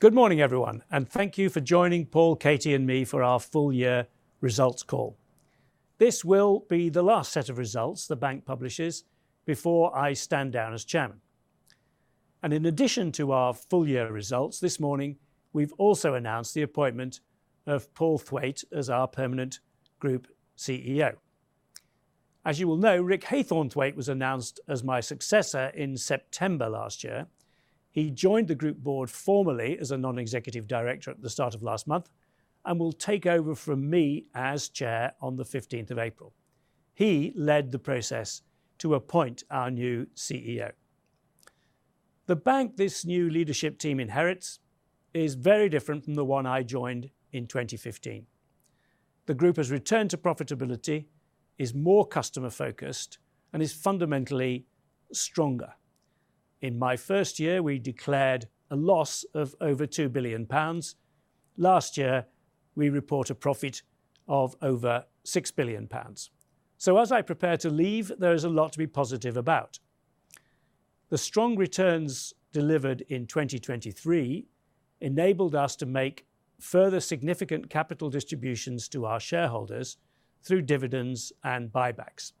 Good morning, everyone, and thank you for joining Paul, Katie, and me for our full-year results call. This will be the last set of results the bank publishes before I stand down as chairman. In addition to our full-year results this morning, we've also announced the appointment of Paul Thwaite as our permanent group CEO. As you will know, Rick Haythornthwaite was announced as my successor in September last year. He joined the group board formally as a non-executive director at the start of last month and will take over from me as chair on the 15th of April. He led the process to appoint our new CEO. The bank this new leadership team inherits is very different from the one I joined in 2015. The group has returned to profitability, is more customer-focused, and is fundamentally stronger. In my first year, we declared a loss of over 2 billion pounds. Last year, we report a profit of over 6 billion pounds. So as I prepare to leave, there is a lot to be positive about. The strong returns delivered in 2023 enabled us to make further significant capital distributions to our shareholders through dividends and buybacks.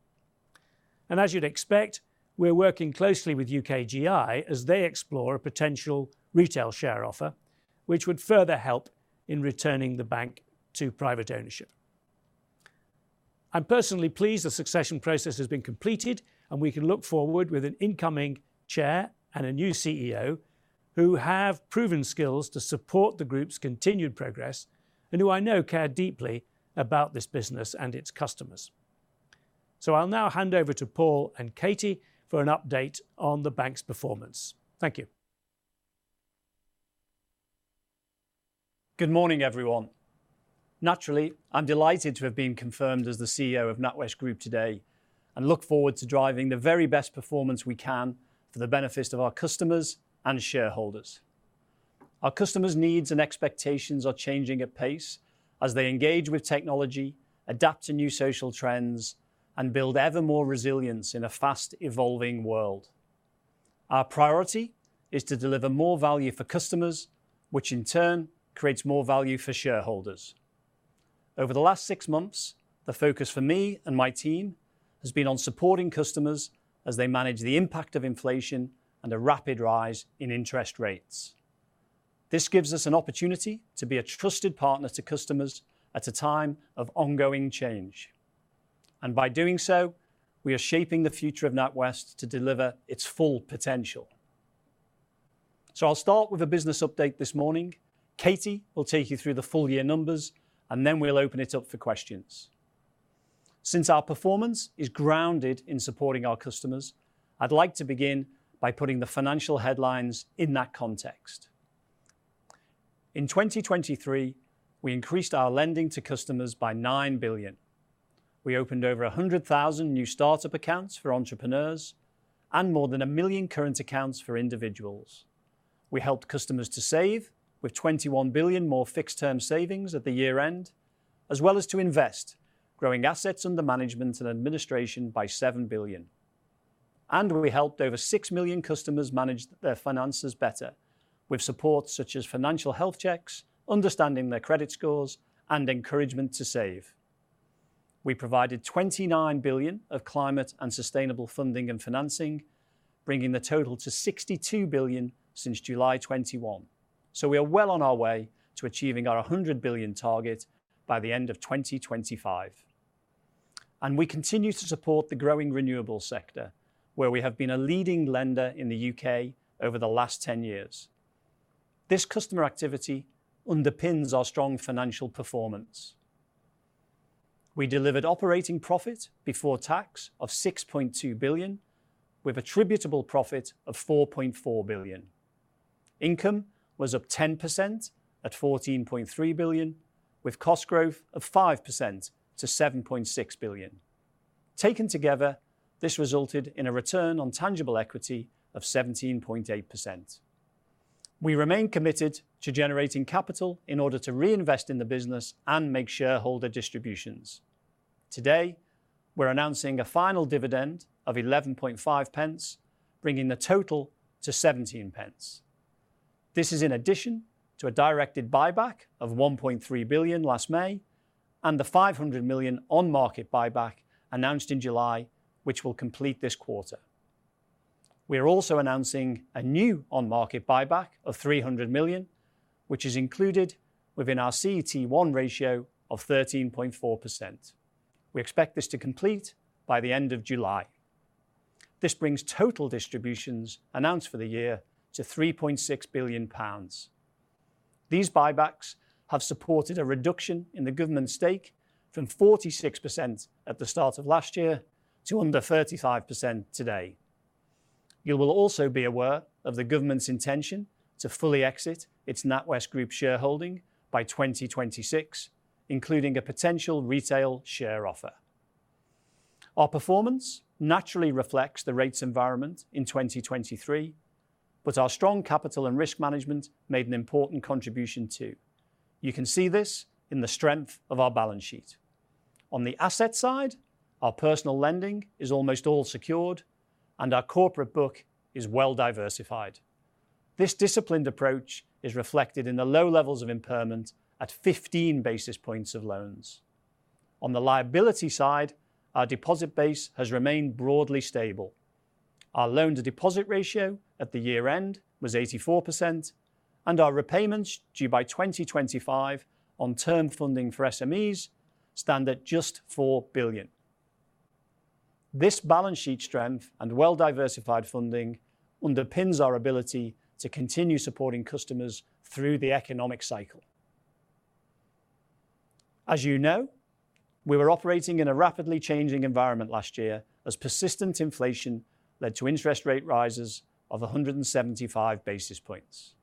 And as you'd expect, we're working closely with UKGI as they explore a potential retail share offer which would further help in returning the bank to private ownership. I'm personally pleased the succession process has been completed and we can look forward with an incoming chair and a new CEO who have proven skills to support the group's continued progress and who I know care deeply about this business and its customers. So I'll now hand over to Paul and Katie for an update on the bank's performance. Thank you. Good morning, everyone. Naturally, I'm delighted to have been confirmed as the CEO of NatWest Group today and look forward to driving the very best performance we can for the benefit of our customers and shareholders. Our customers' needs and expectations are changing at pace as they engage with technology, adapt to new social trends, and build ever more resilience in a fast-evolving world. Our priority is to deliver more value for customers, which in turn creates more value for shareholders. Over the last six months, the focus for me and my team has been on supporting customers as they manage the impact of inflation and a rapid rise in interest rates. This gives us an opportunity to be a trusted partner to customers at a time of ongoing change. By doing so, we are shaping the future of NatWest to deliver its full potential. I'll start with a business update this morning. Katie will take you through the full-year numbers, and then we'll open it up for questions. Since our performance is grounded in supporting our customers, I'd like to begin by putting the financial headlines in that context. In 2023, we increased our lending to customers by 9 billion. We opened over 100,000 new startup accounts for entrepreneurs and more than one million current accounts for individuals. We helped customers to save with 21 billion more fixed-term savings at the year-end, as well as to invest, growing assets under management and administration by 7 billion. We helped over six million customers manage their finances better with supports such as financial health checks, understanding their credit scores, and encouragement to save. We provided 29 billion of climate and sustainable funding and financing, bringing the total to 62 billion since July 2021. We are well on our way to achieving our 100 billion target by the end of 2025. We continue to support the growing renewables sector, where we have been a leading lender in the U.K. over the last 10 years. This customer activity underpins our strong financial performance. We delivered operating profit before tax of 6.2 billion, with attributable profit of 4.4 billion. Income was up 10% at 14.3 billion, with cost growth of 5% to 7.6 billion. Taken together, this resulted in a return on tangible equity of 17.8%. We remain committed to generating capital in order to reinvest in the business and make shareholder distributions. Today, we're announcing a final dividend of 0.11, bringing the total to 0.17. This is in addition to a directed buyback of 1.3 billion last May and the 500 million on-market buyback announced in July, which will complete this quarter. We are also announcing a new on-market buyback of 300 million, which is included within our CET1 ratio of 13.4%. We expect this to complete by the end of July. This brings total distributions announced for the year to 3.6 billion pounds. These buybacks have supported a reduction in the government's stake from 46% at the start of last year to under 35% today. You will also be aware of the government's intention to fully exit its NatWest Group shareholding by 2026, including a potential retail share offer. Our performance naturally reflects the rates environment in 2023, but our strong capital and risk management made an important contribution too. You can see this in the strength of our balance sheet. On the asset side, our personal lending is almost all secured, and our corporate book is well diversified. This disciplined approach is reflected in the low levels of impairment at 15 basis points of loans. On the liability side, our deposit base has remained broadly stable. Our loan-to-deposit ratio at the year-end was 84%, and our repayments due by 2025 on term funding for SMEs stand at just 4 billion. This balance sheet strength and well-diversified funding underpins our ability to continue supporting customers through the economic cycle. As you know, we were operating in a rapidly changing environment last year as persistent inflation led to interest rate rises of 175 basis points.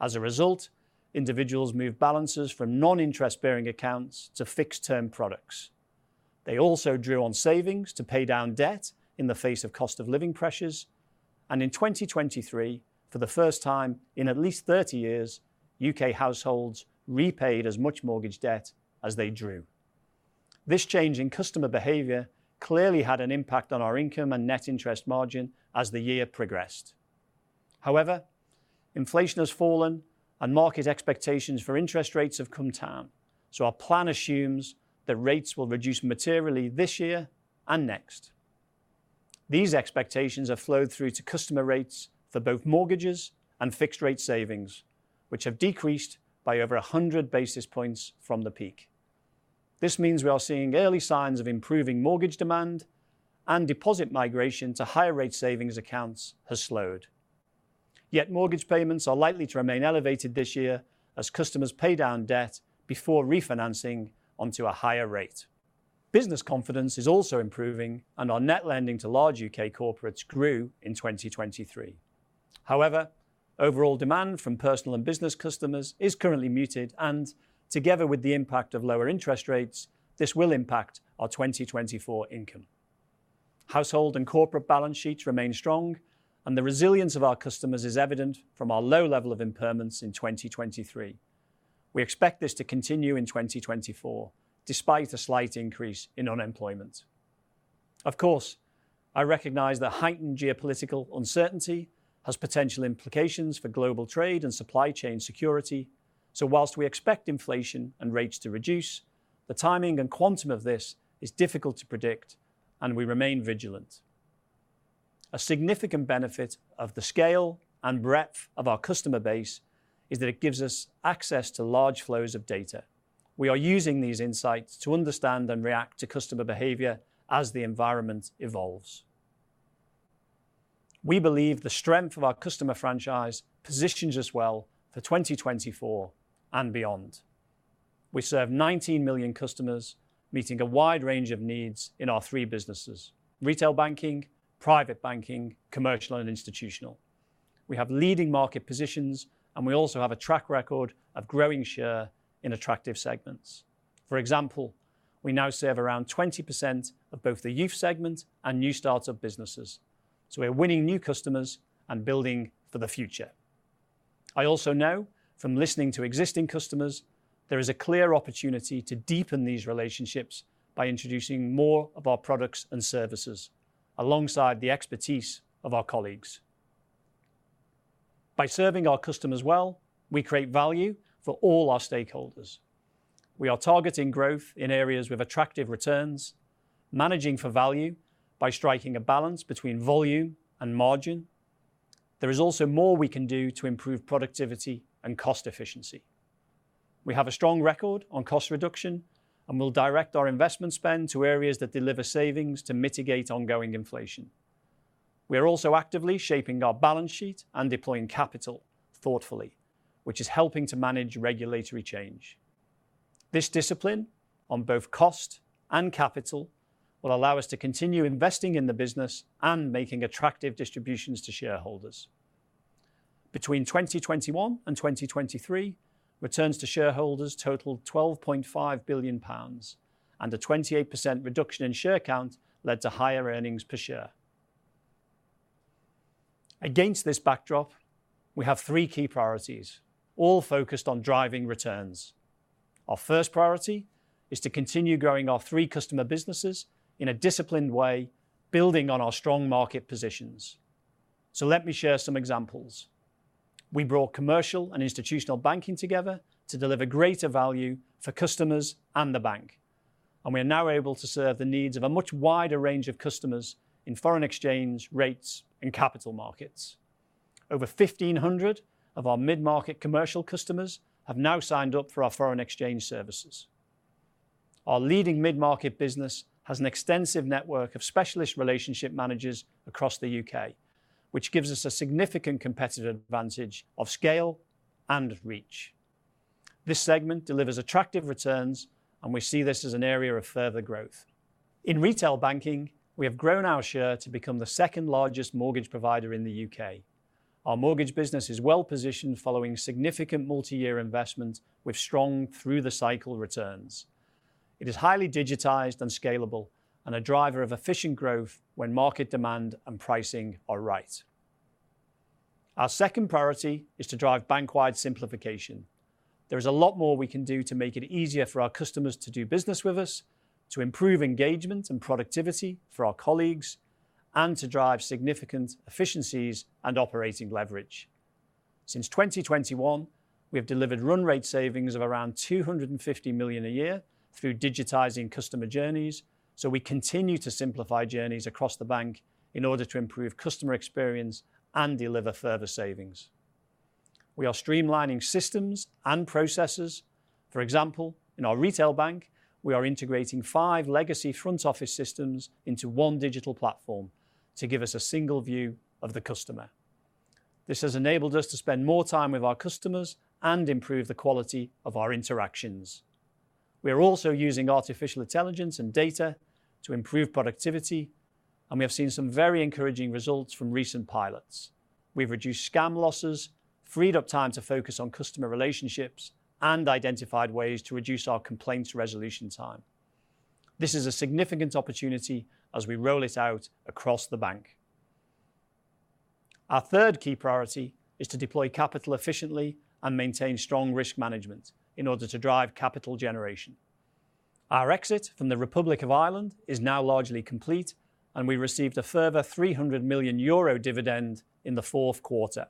As a result, individuals moved balances from non-interest-bearing accounts to fixed-term products. They also drew on savings to pay down debt in the face of cost-of-living pressures. In 2023, for the first time in at least 30 years, UK households repaid as much mortgage debt as they drew. This change in customer behavior clearly had an impact on our income and net interest margin as the year progressed. However, inflation has fallen, and market expectations for interest rates have come down. So our plan assumes that rates will reduce materially this year and next. These expectations have flowed through to customer rates for both mortgages and fixed-rate savings, which have decreased by over 100 basis points from the peak. This means we are seeing early signs of improving mortgage demand, and deposit migration to higher-rate savings accounts has slowed. Yet mortgage payments are likely to remain elevated this year as customers pay down debt before refinancing onto a higher rate. Business confidence is also improving, and our net lending to large U.K. corporates grew in 2023. However, overall demand from personal and business customers is currently muted. Together with the impact of lower interest rates, this will impact our 2024 income. Household and corporate balance sheets remain strong, and the resilience of our customers is evident from our low level of impairments in 2023. We expect this to continue in 2024, despite a slight increase in unemployment. Of course, I recognize that heightened geopolitical uncertainty has potential implications for global trade and supply chain security. So while we expect inflation and rates to reduce, the timing and quantum of this is difficult to predict, and we remain vigilant. A significant benefit of the scale and breadth of our customer base is that it gives us access to large flows of data. We are using these insights to understand and react to customer behavior as the environment evolves. We believe the strength of our customer franchise positions us well for 2024 and beyond. We serve 19 million customers, meeting a wide range of needs in our three businesses: retail banking, private banking, commercial, and institutional. We have leading market positions, and we also have a track record of growing share in attractive segments. For example, we now serve around 20% of both the youth segment and new startup businesses. So we're winning new customers and building for the future. I also know from listening to existing customers there is a clear opportunity to deepen these relationships by introducing more of our products and services alongside the expertise of our colleagues. By serving our customers well, we create value for all our stakeholders. We are targeting growth in areas with attractive returns, managing for value by striking a balance between volume and margin. There is also more we can do to improve productivity and cost efficiency. We have a strong record on cost reduction and will direct our investment spend to areas that deliver savings to mitigate ongoing inflation. We are also actively shaping our balance sheet and deploying capital thoughtfully, which is helping to manage regulatory change. This discipline on both cost and capital will allow us to continue investing in the business and making attractive distributions to shareholders. Between 2021 and 2023, returns to shareholders totaled 12.5 billion pounds, and a 28% reduction in share count led to higher earnings per share. Against this backdrop, we have three key priorities, all focused on driving returns. Our first priority is to continue growing our three customer businesses in a disciplined way, building on our strong market positions. So let me share some examples. We brought commercial and institutional banking together to deliver greater value for customers and the bank. We are now able to serve the needs of a much wider range of customers in foreign exchange rates and capital markets. Over 1,500 of our mid-market commercial customers have now signed up for our foreign exchange services. Our leading mid-market business has an extensive network of specialist relationship managers across the U.K., which gives us a significant competitive advantage of scale and reach. This segment delivers attractive returns, and we see this as an area of further growth. In retail banking, we have grown our share to become the second largest mortgage provider in the U.K. Our mortgage business is well positioned following significant multi-year investments with strong through-the-cycle returns. It is highly digitized, scalable, and a driver of efficient growth when market demand and pricing are right. Our second priority is to drive bank-wide simplification. There is a lot more we can do to make it easier for our customers to do business with us, to improve engagement and productivity for our colleagues, and to drive significant efficiencies and operating leverage. Since 2021, we have delivered run-rate savings of around 250 million a year through digitizing customer journeys. We continue to simplify journeys across the bank in order to improve customer experience and deliver further savings. We are streamlining systems and processes. For example, in our retail bank, we are integrating five legacy front-office systems into one digital platform to give us a single view of the customer. This has enabled us to spend more time with our customers and improve the quality of our interactions. We are also using artificial intelligence and data to improve productivity. We have seen some very encouraging results from recent pilots. We've reduced scam losses, freed up time to focus on customer relationships, and identified ways to reduce our complaints resolution time. This is a significant opportunity as we roll it out across the bank. Our third key priority is to deploy capital efficiently and maintain strong risk management in order to drive capital generation. Our exit from the Republic of Ireland is now largely complete, and we received a further 300 million euro dividend in the fourth quarter.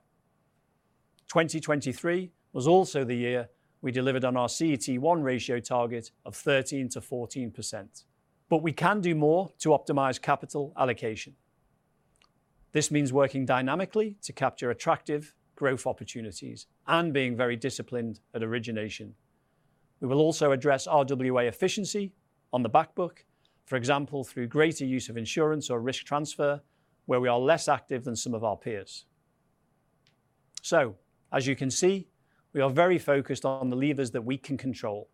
2023 was also the year we delivered on our CET1 ratio target of 13%-14%. But we can do more to optimize capital allocation. This means working dynamically to capture attractive growth opportunities and being very disciplined at origination. We will also address RWA efficiency on the backbook, for example, through greater use of insurance or risk transfer, where we are less active than some of our peers. As you can see, we are very focused on the levers that we can control.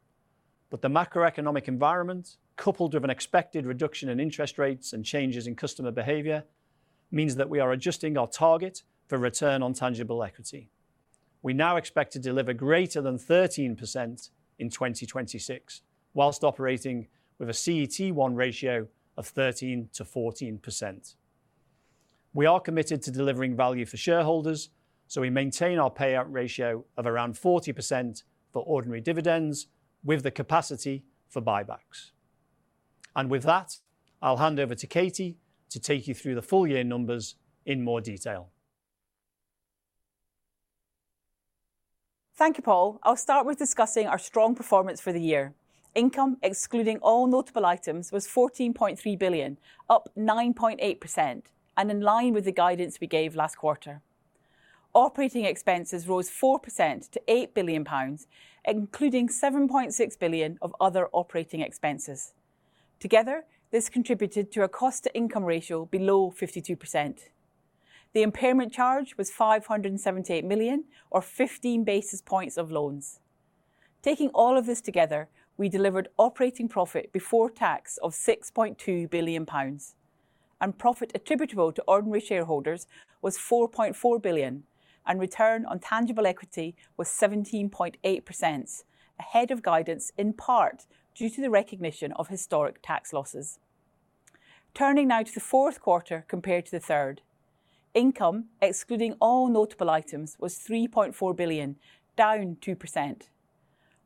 But the macroeconomic environment, coupled with an expected reduction in interest rates and changes in customer behavior, means that we are adjusting our target for return on tangible equity. We now expect to deliver greater than 13% in 2026 whilst operating with a CET1 ratio of 13%-14%. We are committed to delivering value for shareholders. So we maintain our payout ratio of around 40% for ordinary dividends with the capacity for buybacks. And with that, I'll hand over to Katie to take you through the full year numbers in more detail. Thank you, Paul. I'll start with discussing our strong performance for the year. Income, excluding all notable items, was 14.3 billion, up 9.8%, and in line with the guidance we gave last quarter. Operating expenses rose 4% to 8 billion pounds, including 7.6 billion of other operating expenses. Together, this contributed to a cost-to-income ratio below 52%. The impairment charge was 578 million, or 15 basis points of loans. Taking all of this together, we delivered operating profit before tax of 6.2 billion pounds. Profit attributable to ordinary shareholders was 4.4 billion. Return on tangible equity was 17.8%, ahead of guidance in part due to the recognition of historic tax losses. Turning now to the fourth quarter compared to the third, income, excluding all notable items, was 3.4 billion, down 2%.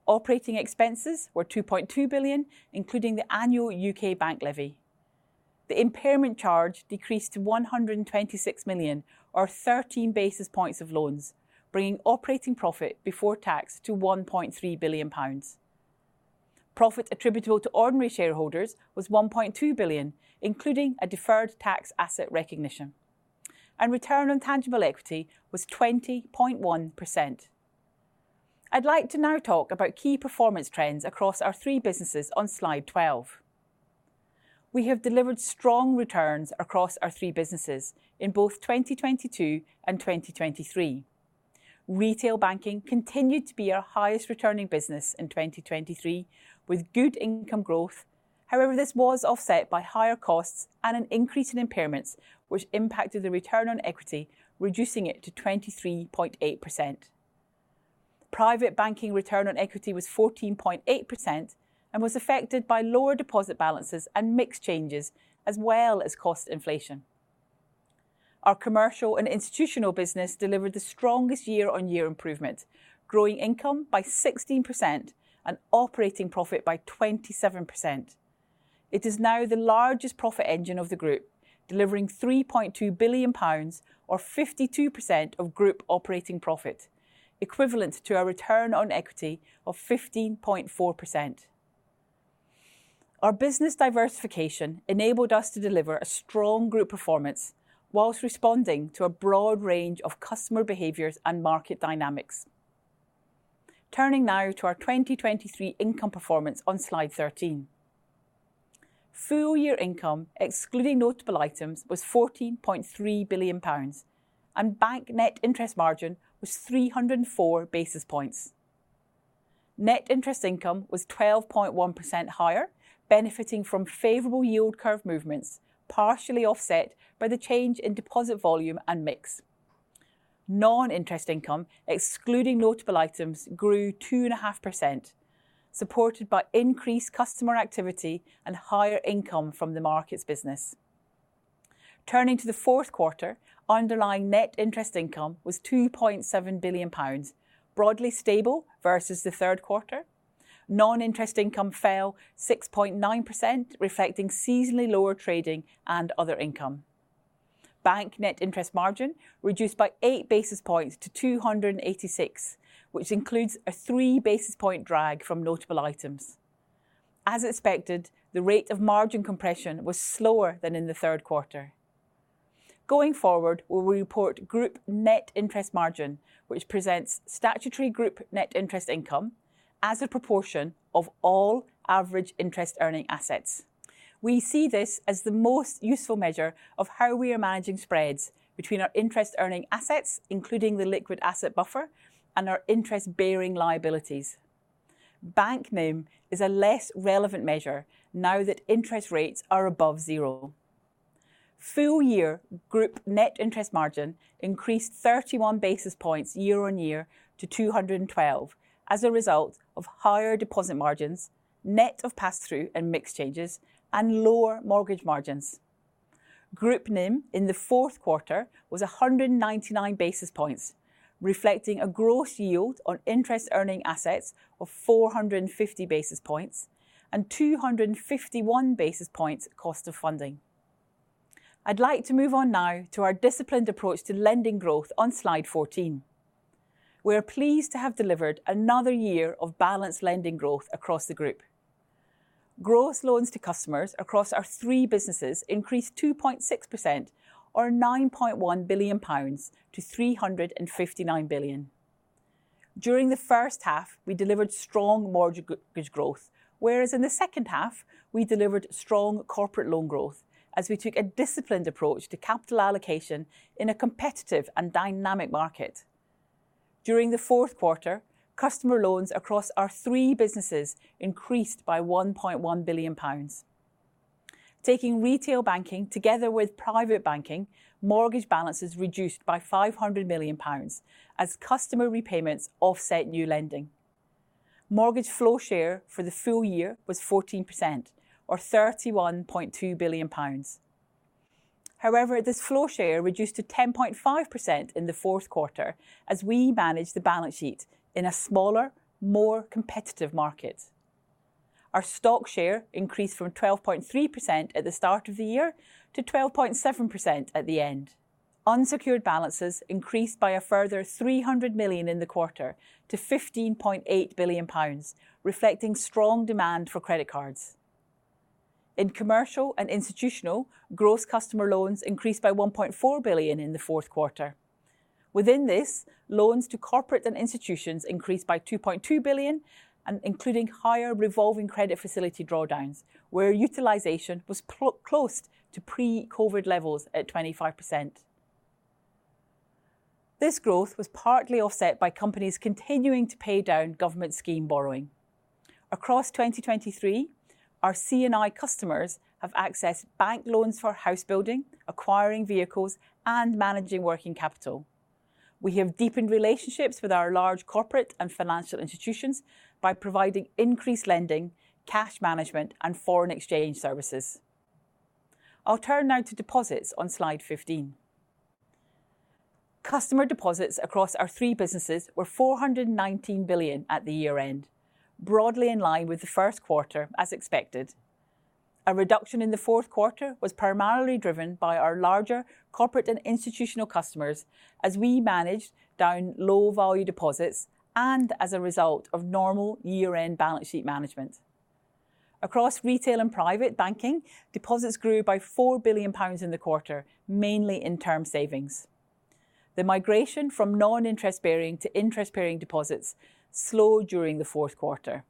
Operating expenses were 2.2 billion, including the annual UK bank levy. The impairment charge decreased to 126 million, or 13 basis points of loans, bringing operating profit before tax to 1.3 billion pounds. Profit attributable to ordinary shareholders was 1.2 billion, including a deferred tax asset recognition. Return on tangible equity was 20.1%. I'd like to now talk about key performance trends across our three businesses on slide 12. We have delivered strong returns across our three businesses in both 2022 and 2023. Retail banking continued to be our highest-returning business in 2023 with good income growth. However, this was offset by higher costs and an increase in impairments, which impacted the return on equity, reducing it to 23.8%. Private banking return on equity was 14.8% and was affected by lower deposit balances and mixed changes, as well as cost inflation. Our commercial and institutional business delivered the strongest year-on-year improvement, growing income by 16% and operating profit by 27%. It is now the largest profit engine of the group, delivering 3.2 billion pounds, or 52% of group operating profit, equivalent to our return on equity of 15.4%. Our business diversification enabled us to deliver a strong group performance while responding to a broad range of customer behaviors and market dynamics. Turning now to our 2023 income performance on slide 13. Full year income, excluding notable items, was 14.3 billion pounds, and bank net interest margin was 304 basis points. Net interest income was 12.1% higher, benefiting from favorable yield curve movements, partially offset by the change in deposit volume and mix. Non-interest income, excluding notable items, grew 2.5%, supported by increased customer activity and higher income from the Markets business. Turning to the fourth quarter, underlying net interest income was 2.7 billion pounds, broadly stable versus the third quarter. Non-interest income fell 6.9%, reflecting seasonally lower trading and other income. Bank net interest margin reduced by eight basis points to 286, which includes a three basis point drag from notable items. As expected, the rate of margin compression was slower than in the third quarter. Going forward, we will report group net interest margin, which presents statutory group net interest income as a proportion of all average interest-earning assets. We see this as the most useful measure of how we are managing spreads between our interest-earning assets, including the liquid asset buffer, and our interest-bearing liabilities. Bank NIM is a less relevant measure now that interest rates are above zero. Full year group net interest margin increased 31 basis points year-on-year to 212 as a result of higher deposit margins, net of pass-through and mixed changes, and lower mortgage margins. Group NIM in the fourth quarter was 199 basis points, reflecting a gross yield on interest-earning assets of 450 basis points and 251 basis points cost of funding. I'd like to move on now to our disciplined approach to lending growth on slide 14. We are pleased to have delivered another year of balanced lending growth across the group. Gross loans to customers across our three businesses increased 2.6%, or 9.1 billion pounds, to 359 billion. During the first half, we delivered strong mortgage growth, whereas in the second half, we delivered strong corporate loan growth as we took a disciplined approach to capital allocation in a competitive and dynamic market. During the fourth quarter, customer loans across our three businesses increased by 1.1 billion pounds. Taking retail banking together with private banking, mortgage balances reduced by 500 million pounds as customer repayments offset new lending. Mortgage flow share for the full year was 14%, or 31.2 billion pounds. However, this flow share reduced to 10.5% in the fourth quarter as we managed the balance sheet in a smaller, more competitive market. Our stock share increased from 12.3% at the start of the year to 12.7% at the end. Unsecured balances increased by a further 300 million in the quarter to 15.8 billion pounds, reflecting strong demand for credit cards. In commercial and institutional growth, customer loans increased by 1.4 billion in the fourth quarter. Within this, loans to corporate and institutions increased by 2.2 billion, including higher revolving credit facility drawdowns, where utilisation was close to pre-COVID levels at 25%. This growth was partly offset by companies continuing to pay down government scheme borrowing. Across 2023, our C&I customers have accessed bank loans for house building, acquiring vehicles, and managing working capital. We have deepened relationships with our large corporate and financial institutions by providing increased lending, cash management, and foreign exchange services. I'll turn now to deposits on slide 15. Customer deposits across our three businesses were 419 billion at the year-end, broadly in line with the first quarter, as expected. A reduction in the fourth quarter was primarily driven by our larger corporate and institutional customers as we managed down low-value deposits and as a result of normal year-end balance sheet management. Across retail and private banking, deposits grew by 4 billion pounds in the quarter, mainly in term savings. The migration from non-interest-bearing to interest-bearing deposits slowed during the fourth quarter.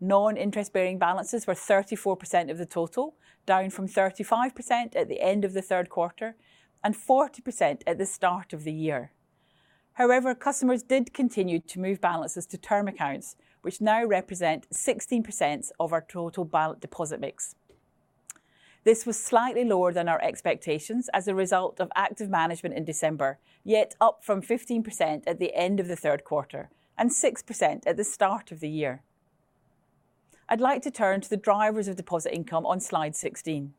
Non-interest-bearing balances were 34% of the total, down from 35% at the end of the third quarter and 40% at the start of the year. However, customers did continue to move balances to term accounts, which now represent 16% of our total deposit mix. This was slightly lower than our expectations as a result of active management in December, yet up from 15% at the end of the third quarter and 6% at the start of the year. I'd like to turn to the drivers of deposit income on slide 16.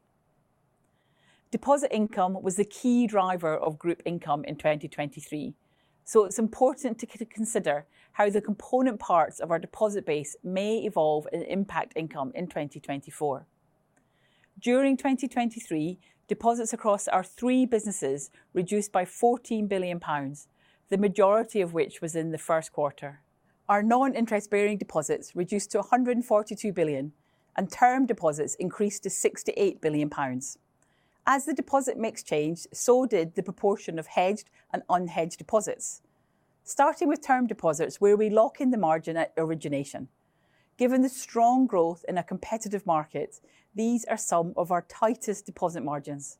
Deposit income was the key driver of group income in 2023. So it's important to consider how the component parts of our deposit base may evolve and impact income in 2024. During 2023, deposits across our three businesses reduced by 14 billion pounds, the majority of which was in the first quarter. Our non-interest-bearing deposits reduced to 142 billion, and term deposits increased to 68 billion pounds. As the deposit mix changed, so did the proportion of hedged and unhedged deposits. Starting with term deposits, where we lock in the margin at origination. Given the strong growth in a competitive market, these are some of our tightest deposit margins.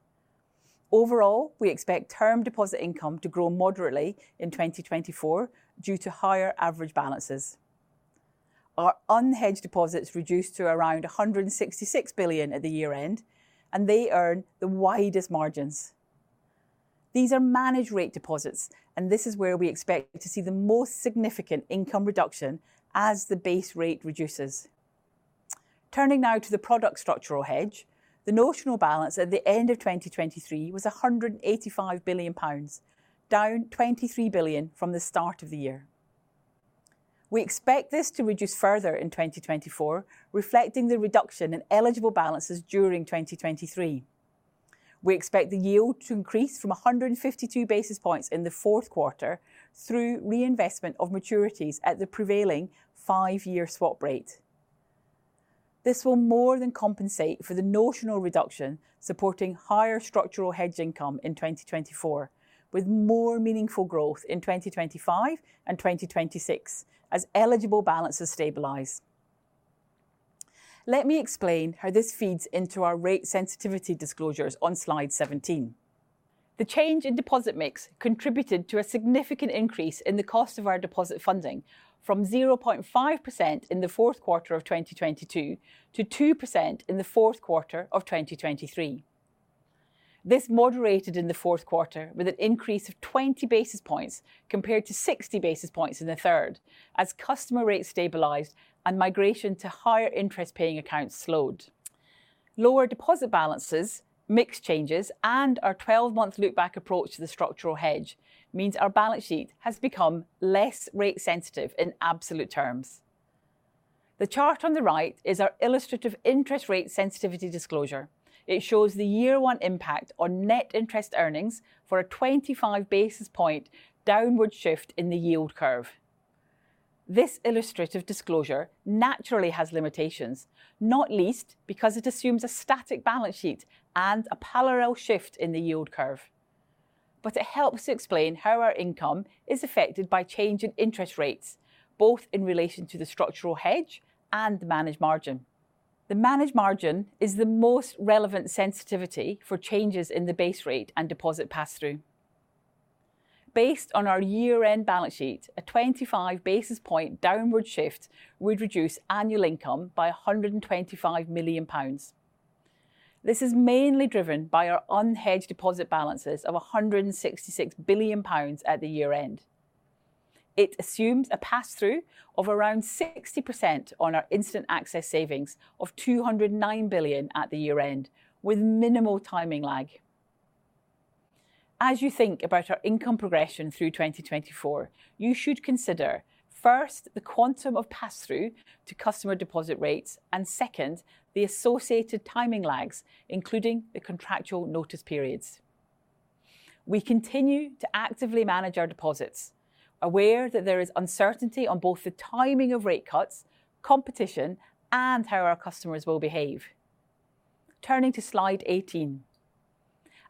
Overall, we expect term deposit income to grow moderately in 2024 due to higher average balances. Our unhedged deposits reduced to around 166 billion at the year-end, and they earn the widest margins. These are managed-rate deposits, and this is where we expect to see the most significant income reduction as the base rate reduces. Turning now to the product structural hedge, the notional balance at the end of 2023 was 185 billion pounds, down 23 billion from the start of the year. We expect this to reduce further in 2024, reflecting the reduction in eligible balances during 2023. We expect the yield to increase from 152 basis points in the fourth quarter through reinvestment of maturities at the prevailing five-year swap rate. This will more than compensate for the notional reduction supporting higher structural hedge income in 2024, with more meaningful growth in 2025 and 2026 as eligible balances stabilize. Let me explain how this feeds into our rate sensitivity disclosures on slide 17. The change in deposit mix contributed to a significant increase in the cost of our deposit funding from 0.5% in the fourth quarter of 2022 to 2% in the fourth quarter of 2023. This moderated in the fourth quarter with an increase of 20 basis points compared to 60 basis points in the third as customer rates stabilized and migration to higher interest-paying accounts slowed. Lower deposit balances, mixed changes, and our 12-month look-back approach to the structural hedge means our balance sheet has become less rate sensitive in absolute terms. The chart on the right is our illustrative interest rate sensitivity disclosure. It shows the year-one impact on net interest earnings for a 25 basis points downward shift in the yield curve. This illustrative disclosure naturally has limitations, not least because it assumes a static balance sheet and a parallel shift in the yield curve. But it helps to explain how our income is affected by change in interest rates, both in relation to the structural hedge and the managed margin. The managed margin is the most relevant sensitivity for changes in the base rate and deposit pass-through. Based on our year-end balance sheet, a 25 basis points downward shift would reduce annual income by 125 million pounds. This is mainly driven by our unhedged deposit balances of 166 billion pounds at the year-end. It assumes a pass-through of around 60% on our instant access savings of 209 billion at the year-end, with minimal timing lag. As you think about our income progression through 2024, you should consider first the quantum of pass-through to customer deposit rates and second the associated timing lags, including the contractual notice periods. We continue to actively manage our deposits, aware that there is uncertainty on both the timing of rate cuts, competition, and how our customers will behave. Turning to slide 18.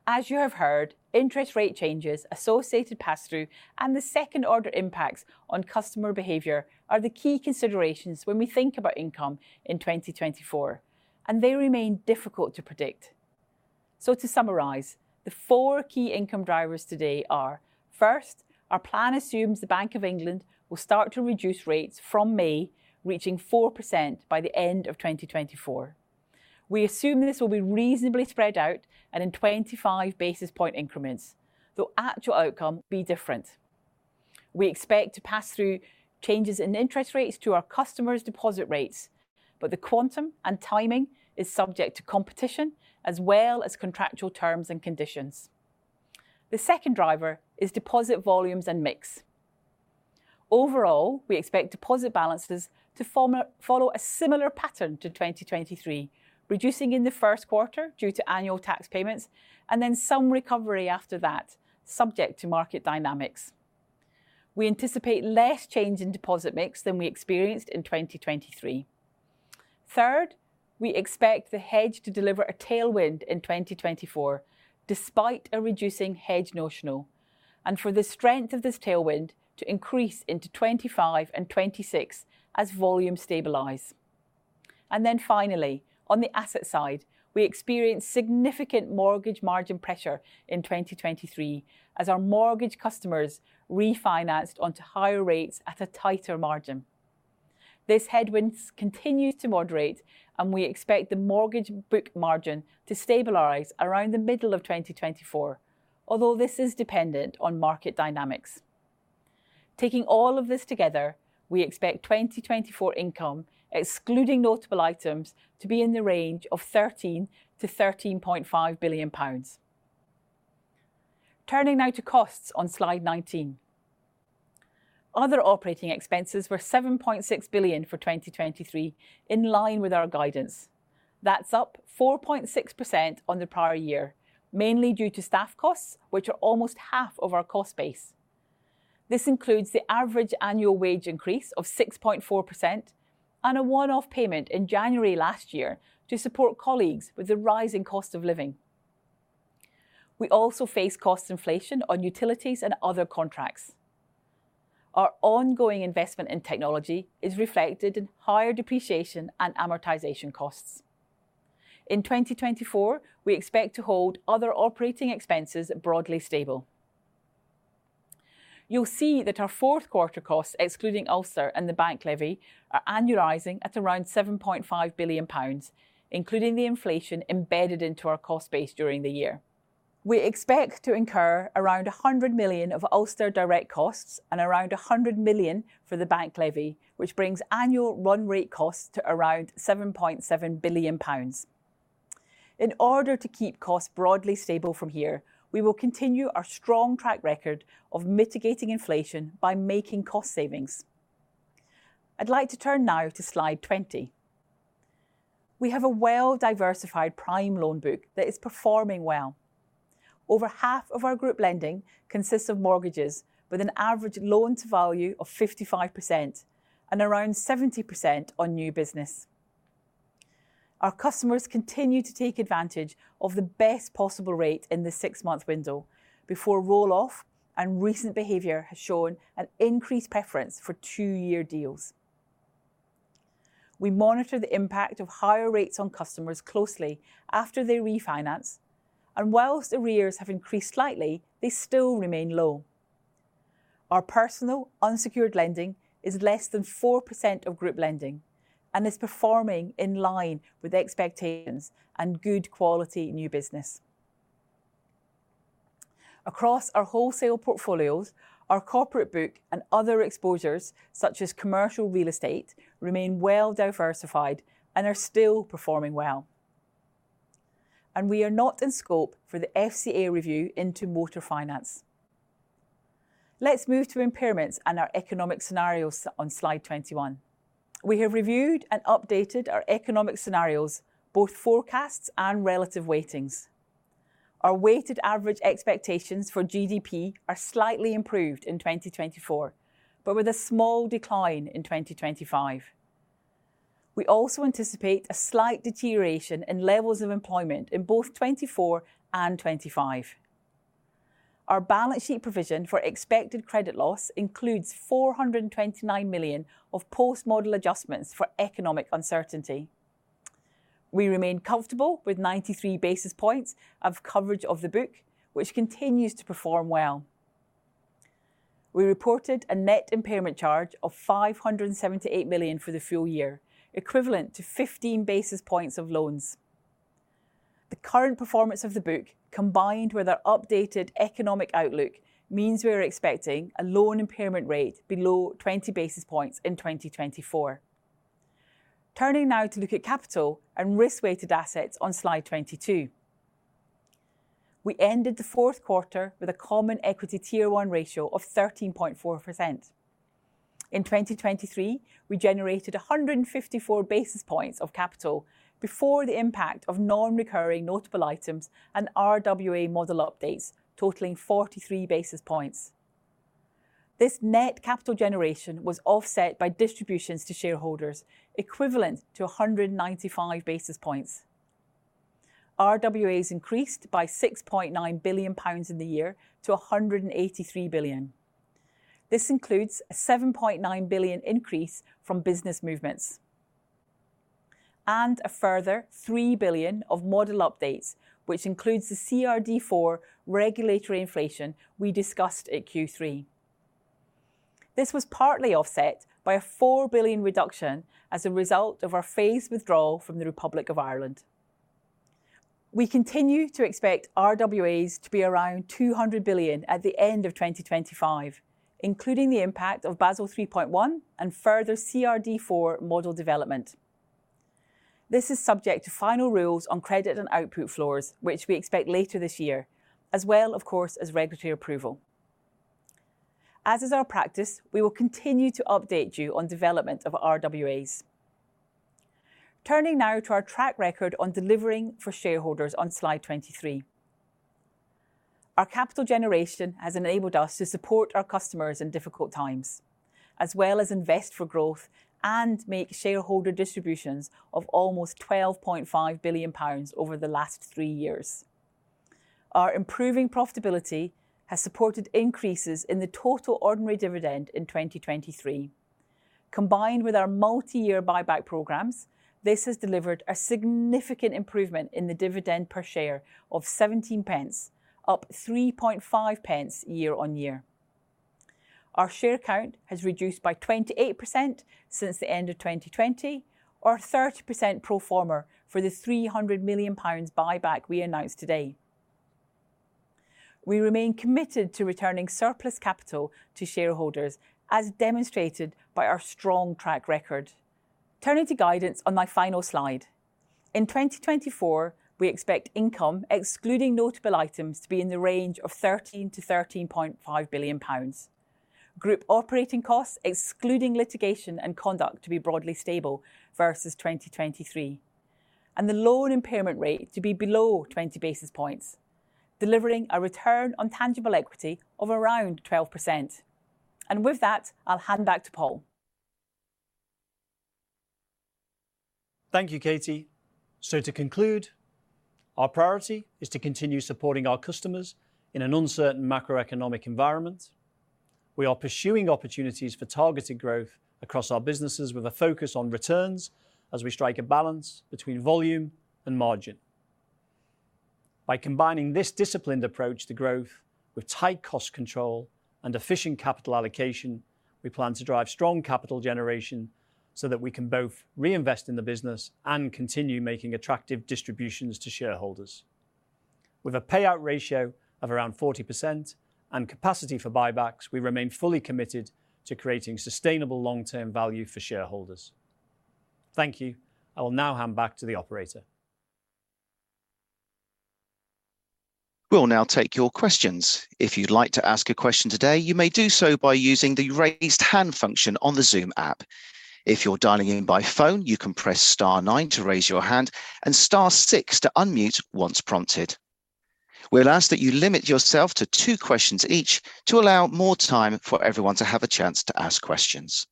As you have heard, interest rate changes, associated pass-through, and the second-order impacts on customer behavior are the key considerations when we think about income in 2024, and they remain difficult to predict. So to summarise, the four key income drivers today are: first, our plan assumes the Bank of England will start to reduce rates from May, reaching 4% by the end of 2024. We assume this will be reasonably spread out and in 25 basis point increments, though actual outcome will be different. We expect to pass through changes in interest rates to our customers' deposit rates, but the quantum and timing is subject to competition as well as contractual terms and conditions. The second driver is deposit volumes and mix. Overall, we expect deposit balances to follow a similar pattern to 2023, reducing in the first quarter due to annual tax payments and then some recovery after that, subject to market dynamics. We anticipate less change in deposit mix than we experienced in 2023. Third, we expect the hedge to deliver a tailwind in 2024 despite a reducing hedge notional, and for the strength of this tailwind to increase into 2025 and 2026 as volumes stabilize. And then finally, on the asset side, we experience significant mortgage margin pressure in 2023 as our mortgage customers refinanced onto higher rates at a tighter margin. This headwind continues to moderate, and we expect the mortgage book margin to stabilize around the middle of 2024, although this is dependent on market dynamics. Taking all of this together, we expect 2024 income, excluding notable items, to be in the range of 13 billion-13.5 billion pounds. Turning now to costs on slide 19. Other operating expenses were 7.6 billion for 2023 in line with our guidance. That's up 4.6% on the prior year, mainly due to staff costs, which are almost half of our cost base. This includes the average annual wage increase of 6.4% and a one-off payment in January last year to support colleagues with the rising cost of living. We also face cost inflation on utilities and other contracts. Our ongoing investment in technology is reflected in higher depreciation and amortization costs. In 2024, we expect to hold other operating expenses broadly stable. You'll see that our fourth quarter costs, excluding Ulster and the bank levy, are annualizing at around 7.5 billion pounds, including the inflation embedded into our cost base during the year. We expect to incur around 100 million of Ulster direct costs and around 100 million for the bank levy, which brings annual run rate costs to around 7.7 billion pounds. In order to keep costs broadly stable from here, we will continue our strong track record of mitigating inflation by making cost savings. I'd like to turn now to slide 20. We have a well-diversified prime loan book that is performing well. Over half of our group lending consists of mortgages with an average loan-to-value of 55% and around 70% on new business. Our customers continue to take advantage of the best possible rate in the six-month window before roll-off, and recent behavior has shown an increased preference for two-year deals. We monitor the impact of higher rates on customers closely after they refinance, and whilst arrears have increased slightly, they still remain low. Our personal unsecured lending is less than 4% of group lending and is performing in line with expectations and good quality new business. Across our wholesale portfolios, our corporate book and other exposures, such as commercial real estate, remain well-diversified and are still performing well. We are not in scope for the FCA review into motor finance. Let's move to impairments and our economic scenarios on slide 21. We have reviewed and updated our economic scenarios, both forecasts and relative weightings. Our weighted average expectations for GDP are slightly improved in 2024, but with a small decline in 2025. We also anticipate a slight deterioration in levels of employment in both 2024 and 2025. Our balance sheet provision for expected credit loss includes 429 million of post-model adjustments for economic uncertainty. We remain comfortable with 93 basis points of coverage of the book, which continues to perform well. We reported a net impairment charge of 578 million for the full year, equivalent to 15 basis points of loans. The current performance of the book, combined with our updated economic outlook, means we are expecting a loan impairment rate below 20 basis points in 2024. Turning now to look at capital and risk-weighted assets on slide 22. We ended the fourth quarter with a Common Equity Tier One ratio of 13.4%. In 2023, we generated 154 basis points of capital before the impact of non-recurring notable items and RWA model updates, totaling 43 basis points. This net capital generation was offset by distributions to shareholders, equivalent to 195 basis points. RWAs increased by 6.9 billion pounds in the year to 183 billion. This includes a 7.9 billion increase from business movements and a further 3 billion of model updates, which includes the CRD4 regulatory inflation we discussed at Q3. This was partly offset by a 4 billion reduction as a result of our phased withdrawal from the Republic of Ireland. We continue to expect RWAs to be around 200 billion at the end of 2025, including the impact of Basel 3.1 and further CRD4 model development. This is subject to final rules on credit and output floors, which we expect later this year, as well, of course, as regulatory approval. As is our practice, we will continue to update you on development of RWAs. Turning now to our track record on delivering for shareholders on slide 23. Our capital generation has enabled us to support our customers in difficult times, as well as invest for growth and make shareholder distributions of almost 12.5 billion pounds over the last three years. Our improving profitability has supported increases in the total ordinary dividend in 2023. Combined with our multi-year buyback programs, this has delivered a significant improvement in the dividend per share of 0.17, up 0.03 year on year. Our share count has reduced by 28% since the end of 2020, or 30% pro forma for the 300 million pounds buyback we announced today. We remain committed to returning surplus capital to shareholders, as demonstrated by our strong track record. Turning to guidance on my final slide. In 2024, we expect income, excluding notable items, to be in the range of 13-GBP13.5 billion. Group operating costs, excluding litigation and conduct, to be broadly stable versus 2023, and the loan impairment rate to be below 20 basis points, delivering a return on tangible equity of around 12%. And with that, I'll hand back to Paul. Thank you, Katie. So to conclude, our priority is to continue supporting our customers in an uncertain macroeconomic environment. We are pursuing opportunities for targeted growth across our businesses with a focus on returns as we strike a balance between volume and margin. By combining this disciplined approach to growth with tight cost control and efficient capital allocation, we plan to drive strong capital generation so that we can both reinvest in the business and continue making attractive distributions to shareholders. With a payout ratio of around 40% and capacity for buybacks, we remain fully committed to creating sustainable long-term value for shareholders. Thank you. I will now hand back to the operator. We'll now take your questions. If you'd like to ask a question today, you may do so by using the raised hand function on the Zoom app. If you're dialing in by phone, you can press star nine to raise your hand and star six to unmute once prompted. We'll ask that you limit yourself to two questions each to allow more time for everyone to have a chance to ask questions.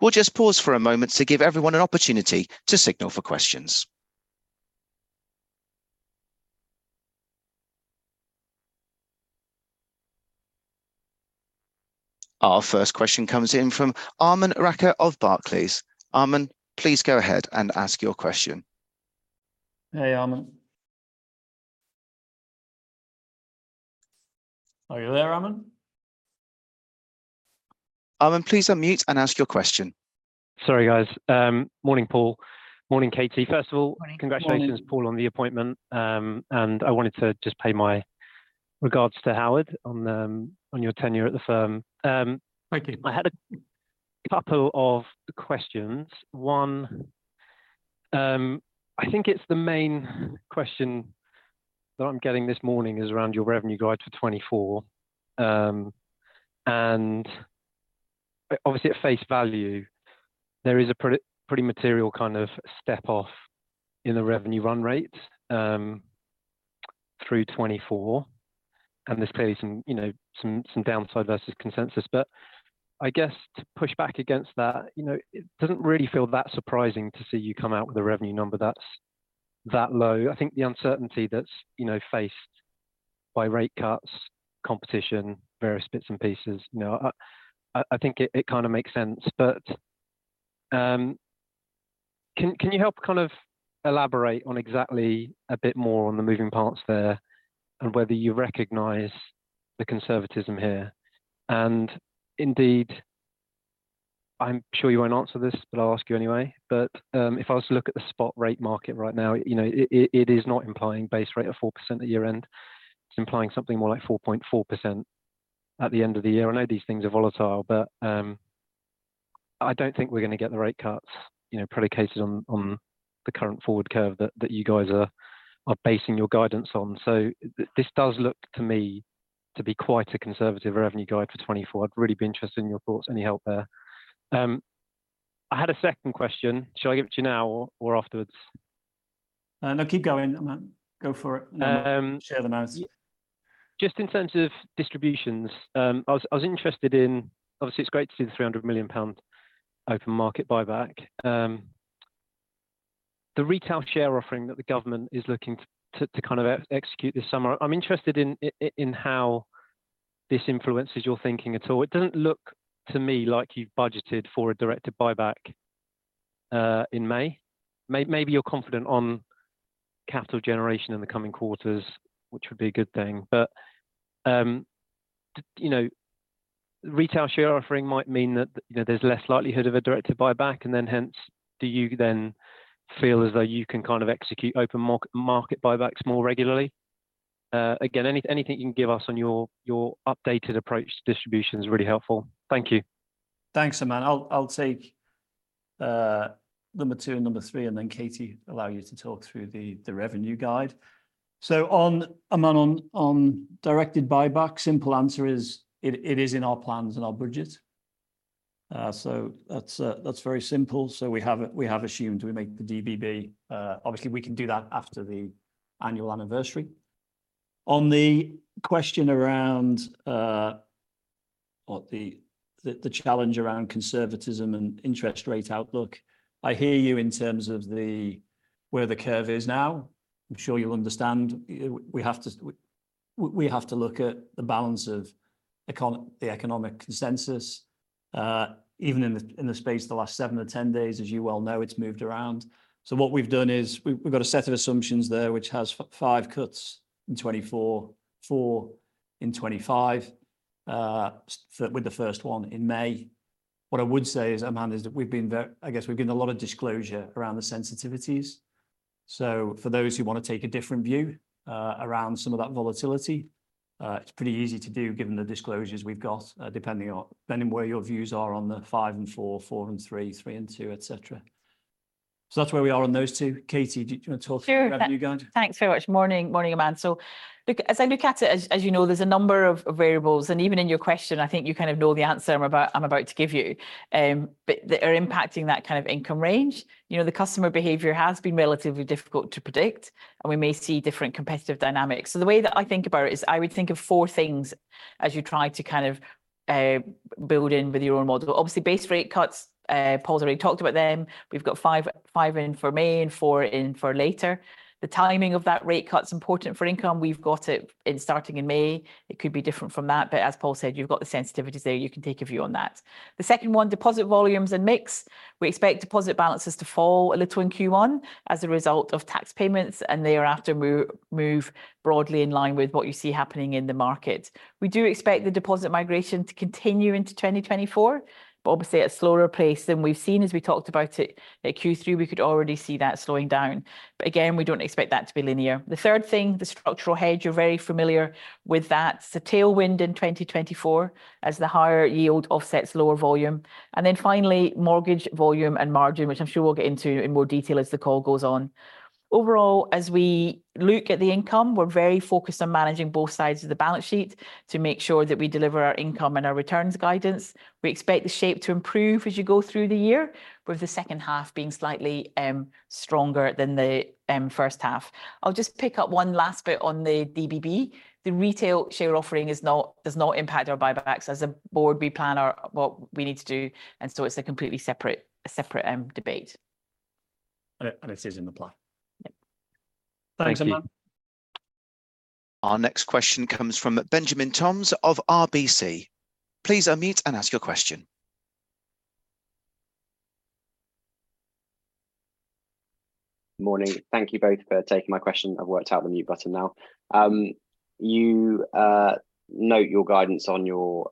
We'll just pause for a moment to give everyone an opportunity to signal for questions. Our first question comes in from Aman Rakkar of Barclays. Aman, please go ahead and ask your question. Hey, Aman. Are you there, Aman? Aman, please unmute and ask your question. Sorry, guys. Morning, Paul. Morning, Katie. First of all, congratulations, Paul, on the appointment. And I wanted to just pay my regards to Howard on your tenure at the firm. Thank you. I had a couple of questions. One, I think it's the main question that I'm getting this morning is around your revenue guide for 2024. Obviously, at face value, there is a pretty material kind of step-off in the revenue run rate through 2024. There's clearly some downside versus consensus. But I guess to push back against that, it doesn't really feel that surprising to see you come out with a revenue number that's that low. I think the uncertainty that's faced by rate cuts, competition, various bits and pieces, I think it kind of makes sense. But can you help kind of elaborate on exactly a bit more on the moving parts there and whether you recognise the conservatism here? Indeed, I'm sure you won't answer this, but I'll ask you anyway. But if I was to look at the spot rate market right now, it is not implying base rate of 4% at year-end. It's implying something more like 4.4% at the end of the year. I know these things are volatile, but I don't think we're going to get the rate cuts predicated on the current forward curve that you guys are basing your guidance on. So this does look to me to be quite a conservative revenue guide for 2024. I'd really be interested in your thoughts, any help there. I had a second question. Shall I give it to you now or afterwards? No, keep going. Go for it. Share them out. Just in terms of distributions, I was interested in obviously, it's great to see the 300 million pound open market buyback. The retail share offering that the government is looking to kind of execute this summer, I'm interested in how this influences your thinking at all. It doesn't look to me like you've budgeted for a directed buyback in May. Maybe you're confident on capital generation in the coming quarters, which would be a good thing. But retail share offering might mean that there's less likelihood of a directed buyback. And then hence, do you then feel as though you can kind of execute open market buybacks more regularly? Again, anything you can give us on your updated approach to distribution is really helpful. Thank you. Thanks, Aman. I'll take number two and number three, and then Katie allow you to talk through the revenue guide. So Aman, on directed buybacks, simple answer is it is in our plans and our budget. So that's very simple. So we have assumed we make the DBB. Obviously, we can do that after the annual anniversary. On the question around the challenge around conservatism and interest rate outlook, I hear you in terms of where the curve is now. I'm sure you'll understand we have to look at the balance of the economic consensus. Even in the space, the last seven or 10 days, as you well know, it's moved around. So what we've done is we've got a set of assumptions there, which has five cuts in 2024, four in 2025, with the first one in May. What I would say is, Aman, is that we've been very I guess we've given a lot of disclosure around the sensitivities. So for those who want to take a different view around some of that volatility, it's pretty easy to do given the disclosures we've got, depending on where your views are on the five and four, four and three, three and two, etc. So that's where we are on those two. Katie, do you want to talk to the revenue guide? Thanks very much. Morning, Aman. So as I look at it, as you know, there's a number of variables. And even in your question, I think you kind of know the answer I'm about to give you, but that are impacting that kind of income range. The customer behavior has been relatively difficult to predict, and we may see different competitive dynamics. So the way that I think about it is I would think of four things as you try to kind of build in with your own model. Obviously, base rate cuts, Paul's already talked about them. We've got five in for May and four in for later. The timing of that rate cut's important for income. We've got it starting in May. It could be different from that. But as Paul said, you've got the sensitivities there. You can take a view on that. The second one, deposit volumes and mix. We expect deposit balances to fall a little in Q1 as a result of tax payments, and thereafter move broadly in line with what you see happening in the market. We do expect the deposit migration to continue into 2024, but obviously at a slower pace than we've seen as we talked about it at Q3. We could already see that slowing down. But again, we don't expect that to be linear. The third thing, the structural hedge, you're very familiar with that. It's a tailwind in 2024 as the higher yield offsets lower volume. And then finally, mortgage volume and margin, which I'm sure we'll get into in more detail as the call goes on. Overall, as we look at the income, we're very focused on managing both sides of the balance sheet to make sure that we deliver our income and our returns guidance. We expect the shape to improve as you go through the year, with the second half being slightly stronger than the first half. I'll just pick up one last bit on the DBB. The retail share offering does not impact our buybacks. As a board, we plan what we need to do. And so it's a completely separate debate. It is in the plan. Thank you. Thanks, Aman. Our next question comes from Benjamin Toms of RBC. Please unmute and ask your question. Morning. Thank you both for taking my question. I've worked out the mute button now. You note your guidance on your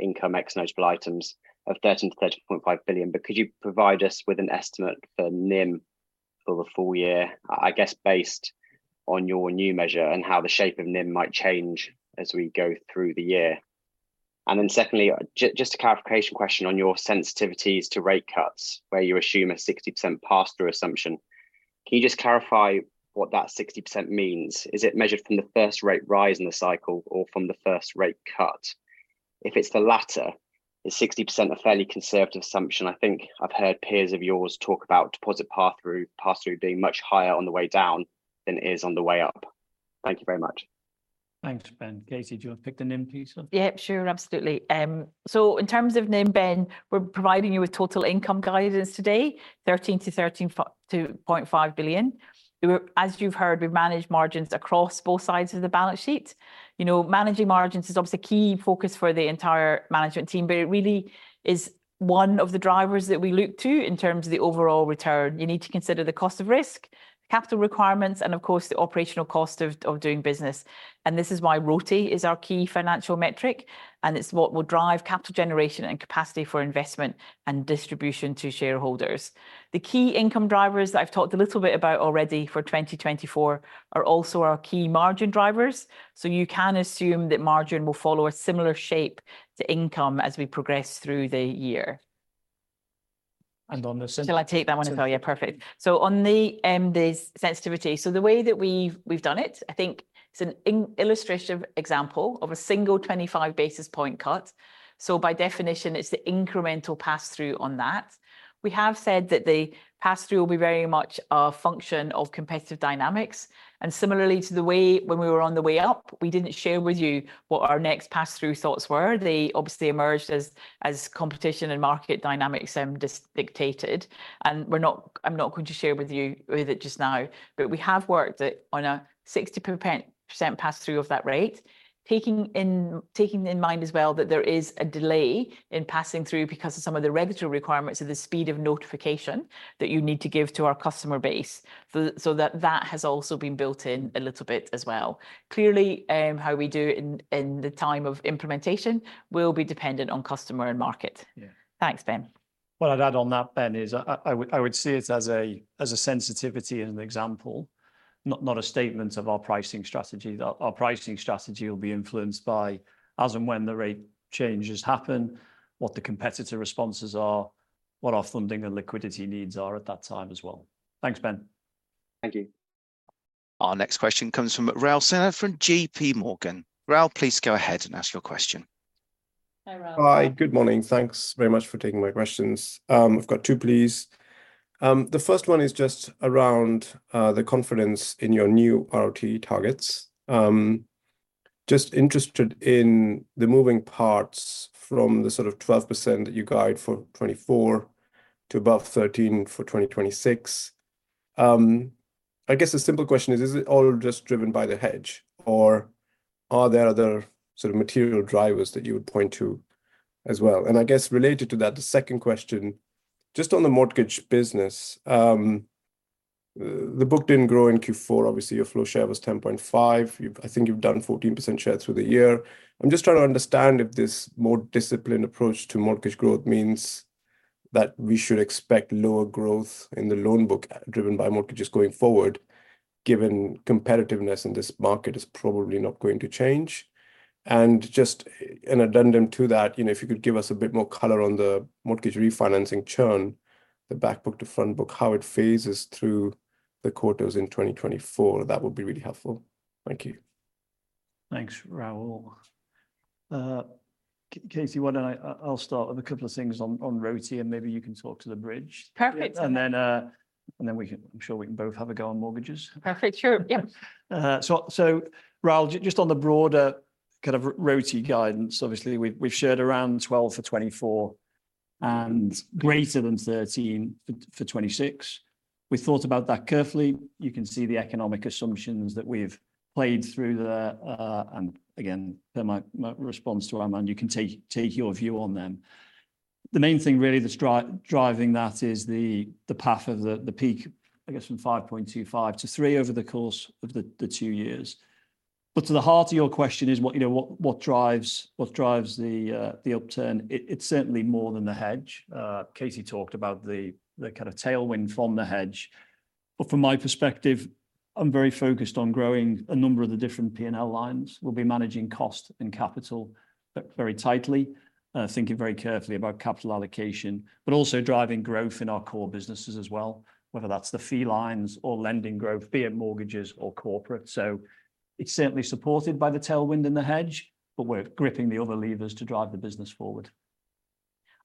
income ex-notable items of 13 billion-13.5 billion. But could you provide us with an estimate for NIM for the full year, I guess, based on your new measure and how the shape of NIM might change as we go through the year? And then secondly, just a clarification question on your sensitivities to rate cuts, where you assume a 60% pass-through assumption. Can you just clarify what that 60% means? Is it measured from the first rate rise in the cycle or from the first rate cut? If it's the latter, is 60% a fairly conservative assumption? I think I've heard peers of yours talk about deposit pass-through being much higher on the way down than it is on the way up. Thank you very much. Thanks, Ben. Katie, do you want to pick the NIM piece off? Yep, sure. Absolutely. So in terms of NIM, Ben, we're providing you with total income guidance today, 13 `billion-GBP 13.5 billion. As you've heard, we manage margins across both sides of the balance sheet. Managing margins is obviously a key focus for the entire management team, but it really is one of the drivers that we look to in terms of the overall return. You need to consider the cost of risk, capital requirements, and of course, the operational cost of doing business. And this is why ` is our key financial metric, and it's what will drive capital generation and capacity for investment and distribution to shareholders. The key income drivers that I've talked a little bit about already for 2024 are also our key margin drivers. So you can assume that margin will follow a similar shape to income as we progress through the year. On the sensitivity. Shall I take that one now, Paul? Yeah, perfect. So on the sensitivity, so the way that we've done it, I think it's an illustrative example of a single 25 basis points cut. So by definition, it's the incremental pass-through on that. We have said that the pass-through will be very much a function of competitive dynamics. And similarly to the way when we were on the way up, we didn't share with you what our next pass-through thoughts were. They obviously emerged as competition and market dynamics dictated. And I'm not going to share with you with it just now. But we have worked on a 60% pass-through of that rate, taking in mind as well that there is a delay in passing through because of some of the regulatory requirements of the speed of notification that you need to give to our customer base. So that has also been built in a little bit as well. Clearly, how we do it in the time of implementation will be dependent on customer and market. Thanks, Ben. What I'd add on that, Ben, is I would see it as a sensitivity and an example, not a statement of our pricing strategy. Our pricing strategy will be influenced by as and when the rate changes happen, what the competitor responses are, what our funding and liquidity needs are at that time as well. Thanks, Ben. Thank you. Our next question comes from Raul Sinha from JPMorgan. Raul, please go ahead and ask your question. Hi, Raul. Hi, good morning. Thanks very much for taking my questions. I've got two, please. The first one is just around the confidence in your new RoTE targets. Just interested in the moving parts from the sort of 12% that you guide for 2024 to above 13% for 2026. I guess the simple question is, is it all just driven by the hedge, or are there other sort of material drivers that you would point to as well? And I guess related to that, the second question, just on the mortgage business, the book didn't grow in Q4. Obviously, your flow share was 10.5%. I think you've done 14% share through the year. I'm just trying to understand if this more disciplined approach to mortgage growth means that we should expect lower growth in the loan book driven by mortgages going forward, given competitiveness in this market is probably not going to change. And just in addendum to that, if you could give us a bit more color on the mortgage refinancing churn, the backbook to frontbook, how it phases through the quarters in 2024, that would be really helpful. Thank you. Thanks, Raul. Katie, why don't I start with a couple of things on RoTE, and maybe you can talk to the bridge. Perfect. And then, I'm sure we can both have a go on mortgages. Perfect. Sure. Yeah. So Raul, just on the broader kind of RoTE guidance, obviously, we've shared around 12 for 2024 and greater than 13 for 2026. We've thought about that carefully. You can see the economic assumptions that we've played through there. And again, per my response to Aman, you can take your view on them. The main thing, really, that's driving that is the path of the peak, I guess, from 5.25 to 3 over the course of the two years. But to the heart of your question is what drives the upturn. It's certainly more than the hedge. Katie talked about the kind of tailwind from the hedge. But from my perspective, I'm very focused on growing a number of the different P&L lines. We'll be managing cost and capital very tightly, thinking very carefully about capital allocation, but also driving growth in our core businesses as well, whether that's the fee lines or lending growth, be it mortgages or corporate. So it's certainly supported by the tailwind and the hedge, but we're gripping the other levers to drive the business forward.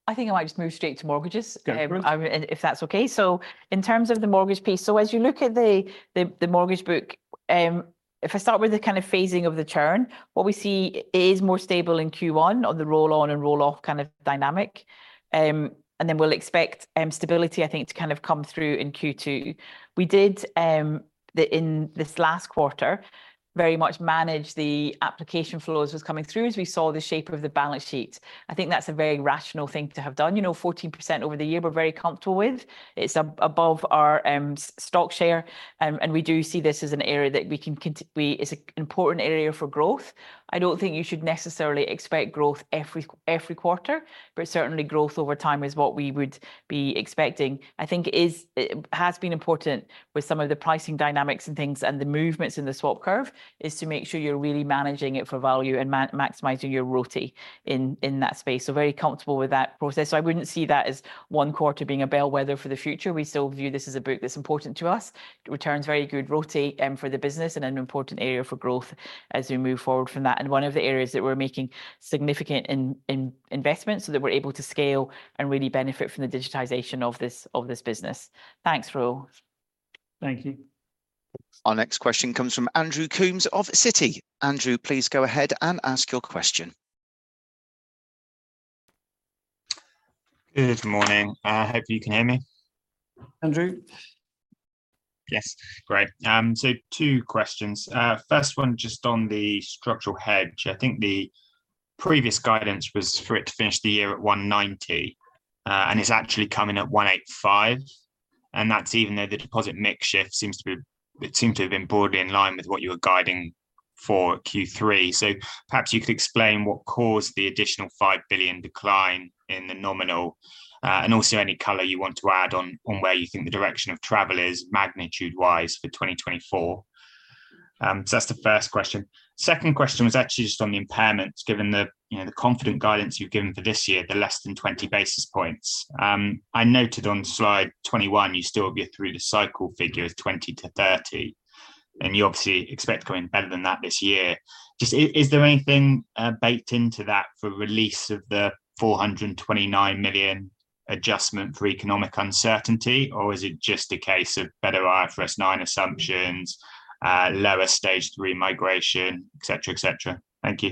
I think I might just move straight to mortgages, if that's okay. So in terms of the mortgage piece, so as you look at the mortgage book, if I start with the kind of phasing of the churn, what we see is more stable in Q1 on the roll-on and roll-off kind of dynamic. And then we'll expect stability, I think, to kind of come through in Q2. We did, in this last quarter, very much manage the application flows was coming through as we saw the shape of the balance sheet. I think that's a very rational thing to have done. You know, 14% over the year, we're very comfortable with. It's above our stock share. And we do see this as an area that we can it's an important area for growth. I don't think you should necessarily expect growth every quarter, but certainly growth over time is what we would be expecting. I think it has been important with some of the pricing dynamics and things and the movements in the swap curve is to make sure you're really managing it for value and maximizing your RoTE in that space. So very comfortable with that process. So I wouldn't see that as one quarter being a bellwether for the future. We still view this as a book that's important to us. It returns very good RoTE for the business and an important area for growth as we move forward from that. And one of the areas that we're making significant investments so that we're able to scale and really benefit from the digitization of this business. Thanks, Raul. Thank you. Our next question comes from Andrew Coombs of Citi. Andrew, please go ahead and ask your question. Good morning. I hope you can hear me. Andrew? Yes. Great. So two questions. First one, just on the structural hedge. I think the previous guidance was for it to finish the year at 190, and it's actually coming at 185. And that's even though the deposit mix shift seems to be it seemed to have been broadly in line with what you were guiding for Q3. So perhaps you could explain what caused the additional 5 billion decline in the nominal, and also any color you want to add on where you think the direction of travel is magnitude-wise for 2024. So that's the first question. Second question was actually just on the impairments, given the confident guidance you've given for this year, the less than 20 basis points. I noted on slide 21 you still would be through the cycle figure as 20-30. And you obviously expect going better than that this year. Just, is there anything baked into that for release of the 429 million adjustment for economic uncertainty, or is it just a case of better IFRS 9 assumptions, lower stage three migration, etc., etc.? Thank you.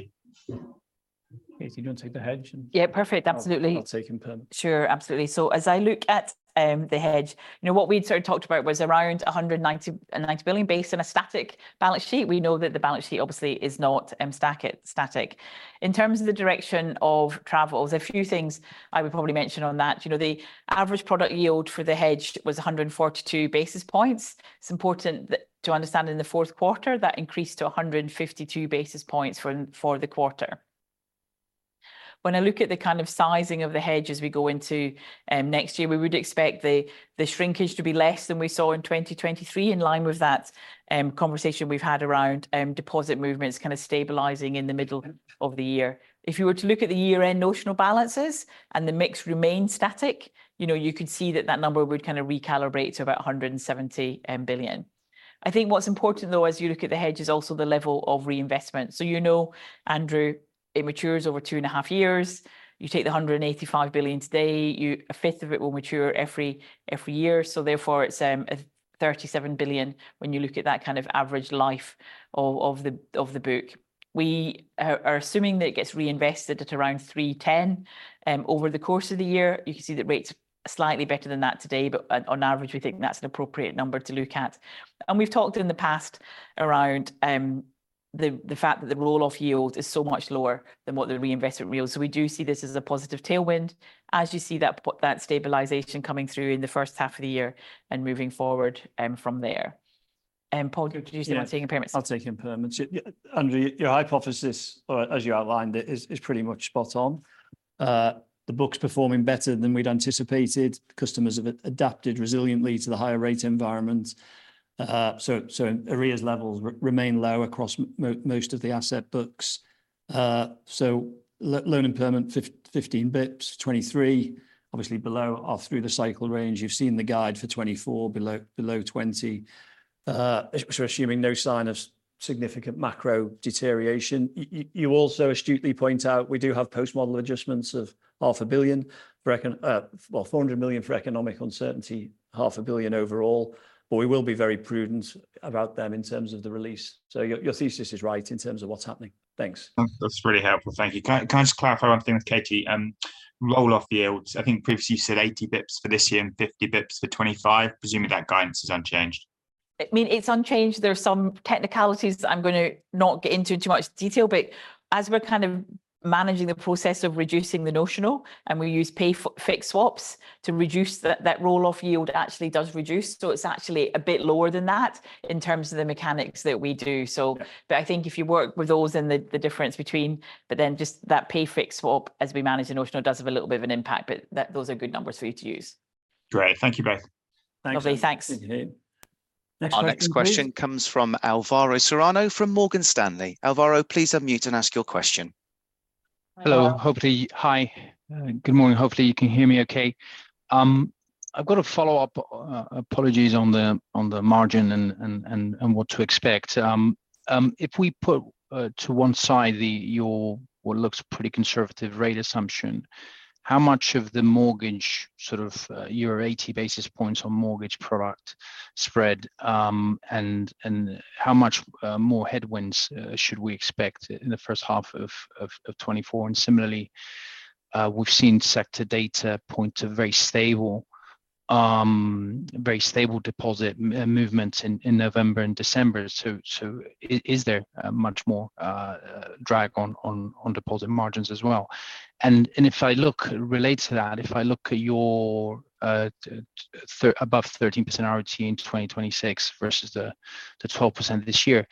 Katie, do you want to take the hedge? Yeah, perfect. Absolutely. I'll take impairment. Sure. Absolutely. So as I look at the hedge, what we'd sort of talked about was around 190 billion based on a static balance sheet. We know that the balance sheet obviously is not static. In terms of the direction of travel, there's a few things I would probably mention on that. The average product yield for the hedged was 142 basis points. It's important to understand in the fourth quarter that increased to 152 basis points for the quarter. When I look at the kind of sizing of the hedge as we go into next year, we would expect the shrinkage to be less than we saw in 2023 in line with that conversation we've had around deposit movements kind of stabilising in the middle of the year. If you were to look at the year-end notional balances and the mix remained static, you could see that that number would kind of recalibrate to about 170 billion. I think what's important, though, as you look at the hedge, is also the level of reinvestment. So you know, Andrew, it matures over two and a half years. You take the 185 billion today, a fifth of it will mature every year. So therefore, it's 37 billion when you look at that kind of average life of the book. We are assuming that it gets reinvested at around 310 over the course of the year. You can see that rates are slightly better than that today, but on average, we think that's an appropriate number to look at. And we've talked in the past around the fact that the roll-off yield is so much lower than what the reinvestment yields. So we do see this as a positive tailwind, as you see that stabilization coming through in the first half of the year and moving forward from there. Paul, could you do something about taking impairments? I'll take impairments. Andrew, your hypothesis, as you outlined, is pretty much spot on. The book's performing better than we'd anticipated. Customers have adapted resiliently to the higher rate environment. So arrears levels remain low across most of the asset books. So loan impairment, 15 basis points, 2023, obviously below our through-the-cycle range. You've seen the guide for 2024, below 20, assuming no sign of significant macro deterioration. You also astutely point out we do have post-model adjustments of 500 million, well, 400 million for economic uncertainty, 500 million overall. But we will be very prudent about them in terms of the release. So your thesis is right in terms of what's happening. Thanks. That's really helpful. Thank you. Can I just clarify one thing with Katie? Roll-off yields, I think previously you said 80 bps for this year and 50 bps for 2025, presuming that guidance is unchanged? I mean, it's unchanged. There are some technicalities that I'm going to not get into in too much detail, but as we're kind of managing the process of reducing the notional and we use pay fixed swaps to reduce that roll-off yield, it actually does reduce. So it's actually a bit lower than that in terms of the mechanics that we do. But I think if you work with those, but then just that pay fixed swap as we manage the notional does have a little bit of an impact, but those are good numbers for you to use. Great. Thank you both. Thanks. Lovely. Thanks. Our next question comes from Alavaro Serrano from Morgan Stanley. Alavaro, please unmute and ask your question. Hello. Hopefully hi. Good morning. Hopefully you can hear me okay. I've got a follow-up, apologies, on the margin and what to expect. If we put to one side what looks pretty conservative rate assumption, how much of the mortgage sort of year 80 basis points on mortgage product spread, and how much more headwinds should we expect in the first half of 2024? And similarly, we've seen sector data point to very stable deposit movements in November and December. So is there much more drag on deposit margins as well? And if I look related to that, if I look at your above 13% RoTE in 2026 versus the 12% this year,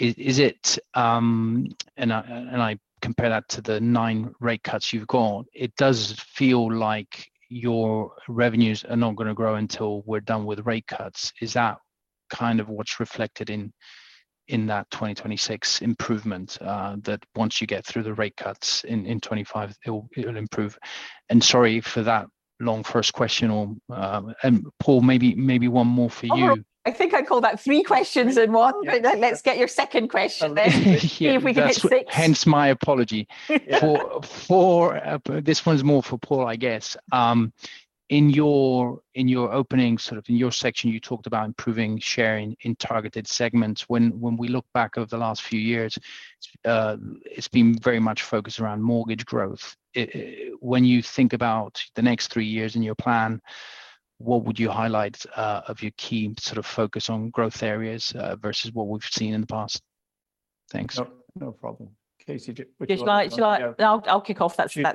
and I compare that to the 9 rate cuts you've gone, it does feel like your revenues are not going to grow until we're done with rate cuts. Is that kind of what's reflected in that 2026 improvement that once you get through the rate cuts in 2025, it'll improve? Sorry for that long first question. Paul, maybe one more for you. I think I called that three questions in one, but let's get your second question then. See if we can hit six. Hence my apology. This one's more for Paul, I guess. In your opening, sort of in your section, you talked about improving share in targeted segments. When we look back over the last few years, it's been very much focused around mortgage growth. When you think about the next three years in your plan, what would you highlight of your key sort of focus on growth areas versus what we've seen in the past? Thanks. No problem. Katie, which one? I'll kick off. That's fine.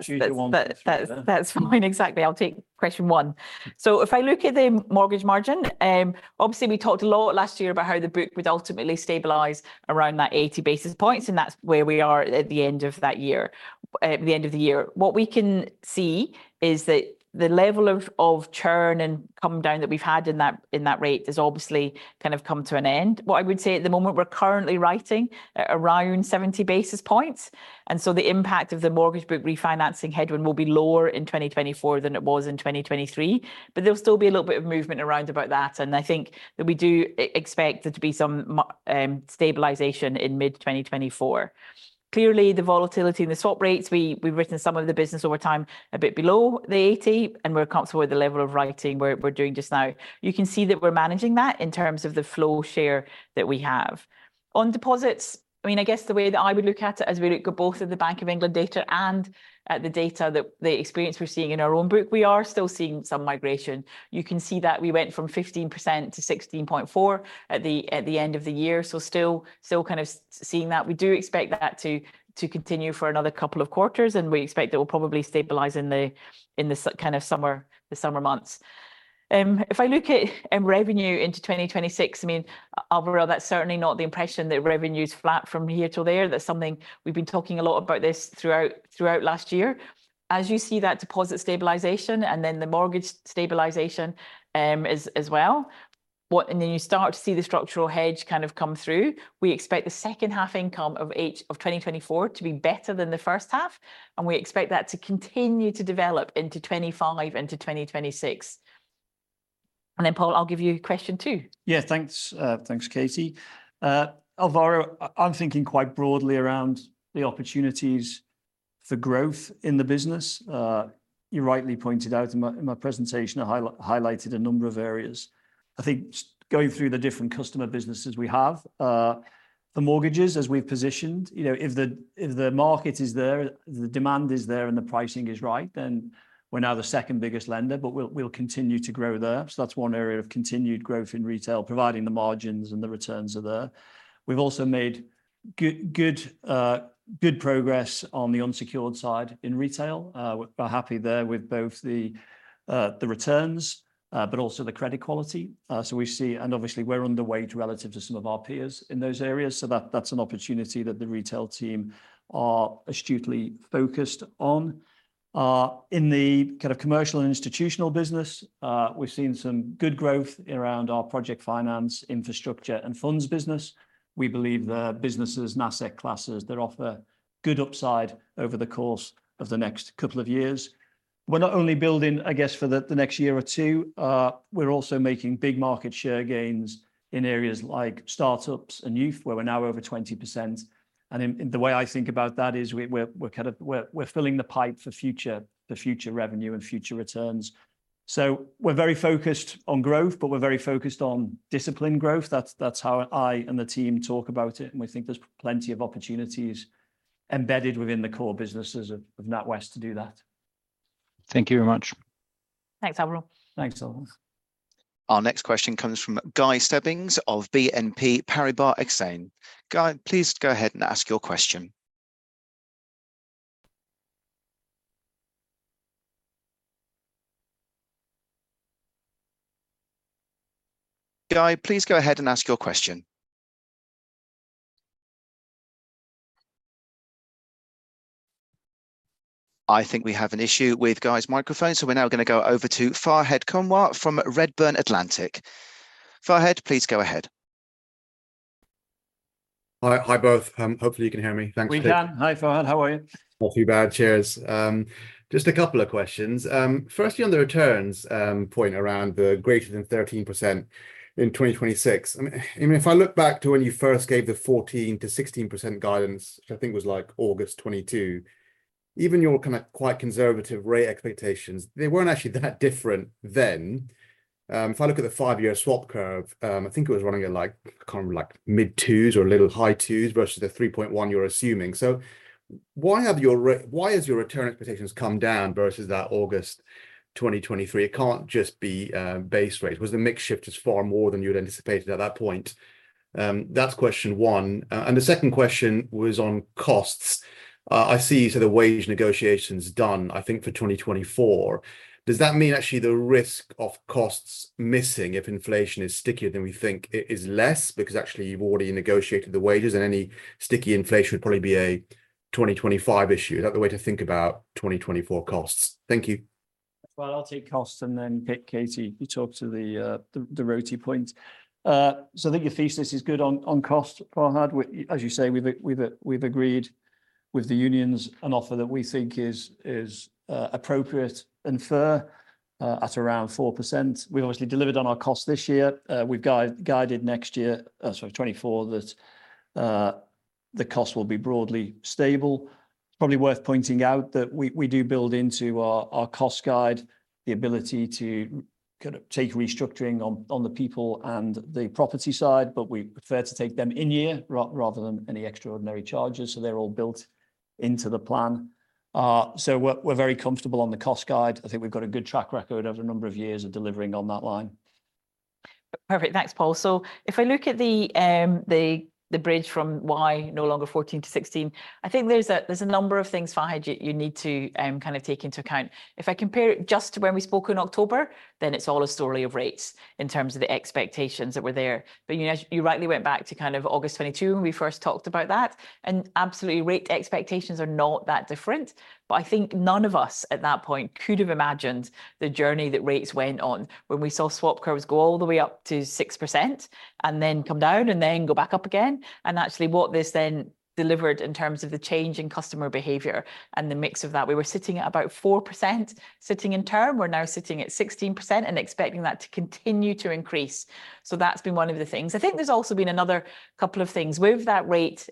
Exactly. I'll take question one. So if I look at the mortgage margin, obviously, we talked a lot last year about how the book would ultimately stabilize around that 80 basis points, and that's where we are at the end of that year, the end of the year. What we can see is that the level of churn and come down that we've had in that rate has obviously kind of come to an end. What I would say at the moment, we're currently writing around 70 basis points. And so the impact of the mortgage book refinancing headwind will be lower in 2024 than it was in 2023. But there'll still be a little bit of movement around about that. And I think that we do expect there to be some stabilization in mid-2024. Clearly, the volatility in the swap rates, we've written some of the business over time a bit below the 80, and we're comfortable with the level of writing we're doing just now. You can see that we're managing that in terms of the flow share that we have. On deposits, I mean, I guess the way that I would look at it as we look at both of the Bank of England data and the data that the experience we're seeing in our own book, we are still seeing some migration. You can see that we went from 15%-16.4% at the end of the year. So still kind of seeing that. We do expect that to continue for another couple of quarters, and we expect it will probably stabilize in the kind of summer months. If I look at revenue into 2026, I mean, Alavaro, that's certainly not the impression that revenue's flat from here till there. That's something we've been talking a lot about this throughout last year. As you see that deposit stabilization and then the mortgage stabilization as well, and then you start to see the structural hedge kind of come through, we expect the second-half income of 2024 to be better than the first half. And we expect that to continue to develop into 2025, into 2026. And then, Paul, I'll give you question two. Yeah, thanks. Thanks, Katie. Alavaro, I'm thinking quite broadly around the opportunities for growth in the business. You rightly pointed out in my presentation, I highlighted a number of areas. I think going through the different customer businesses we have, the mortgages, as we've positioned, if the market is there, the demand is there, and the pricing is right, then we're now the second biggest lender, but we'll continue to grow there. So that's one area of continued growth in retail, providing the margins and the returns are there. We've also made good progress on the unsecured side in retail. We're happy there with both the returns, but also the credit quality. So we see, and obviously, we're underweight relative to some of our peers in those areas. So that's an opportunity that the retail team are astutely focused on. In the kind of commercial and institutional business, we've seen some good growth around our project finance, infrastructure, and funds business. We believe the businesses, NASEC classes, that offer good upside over the course of the next couple of years. We're not only building, I guess, for the next year or two, we're also making big market share gains in areas like startups and youth, where we're now over 20%. And the way I think about that is we're kind of filling the pipe for future revenue and future returns. So we're very focused on growth, but we're very focused on discipline growth. That's how I and the team talk about it. And we think there's plenty of opportunities embedded within the core businesses of NatWest to do that. Thank you very much. Thanks, Alavaro. Thanks, Alavaro. Our next question comes from Guy Stebbings of BNP Paribas Exane. Guy, please go ahead and ask your question. Guy, please go ahead and ask your question. I think we have an issue with Guy's microphone, so we're now going to go over to Fahed Kunwar from Redburn Atlantic. Fahed, please go ahead. Hi both. Hopefully you can hear me. Thanks, Katie. We can. Hi, Fahed. How are you? Not too bad. Cheers. Just a couple of questions. Firstly, on the returns point around the greater than 13% in 2026. I mean, if I look back to when you first gave the 14%-16% guidance, which I think was like August 2022, even your kind of quite conservative rate expectations, they weren't actually that different then. If I look at the five-year swap curve, I think it was running at like mid-2s or a little high 2s versus the 3.1% you're assuming. So why has your return expectations come down versus that August 2023? It can't just be base rates. Was the mix shift just far more than you'd anticipated at that point? That's question one. And the second question was on costs. I see, so the wage negotiations done, I think, for 2024. Does that mean actually the risk of costs missing if inflation is stickier than we think is less because actually you've already negotiated the wages and any sticky inflation would probably be a 2025 issue? Is that the way to think about 2024 costs? Thank you. Well, I'll take costs and then pick Katie if you talk to the RoTE point. So I think your thesis is good on costs, Fahed. As you say, we've agreed with the unions on an offer that we think is appropriate and fair at around 4%. We've obviously delivered on our costs this year. We've guided next year, sorry, 2024, that the costs will be broadly stable. It's probably worth pointing out that we do build into our cost guide the ability to kind of take restructuring on the people and the property side, but we prefer to take them in year rather than any extraordinary charges. So they're all built into the plan. So we're very comfortable on the cost guide. I think we've got a good track record over a number of years of delivering on that line. Perfect. Thanks, Paul. So if I look at the bridge from why no longer 14%-16%, I think there's a number of things, Fahed, you need to kind of take into account. If I compare it just to when we spoke in October, then it's all a story of rates in terms of the expectations that were there. But you rightly went back to kind of August 2022 when we first talked about that. And absolutely, rate expectations are not that different. But I think none of us at that point could have imagined the journey that rates went on when we saw swap curves go all the way up to 6% and then come down and then go back up again. And actually what this then delivered in terms of the change in customer behavior and the mix of that. We were sitting at about 4% sitting in term. We're now sitting at 16% and expecting that to continue to increase. So that's been one of the things. I think there's also been another couple of things. With that rate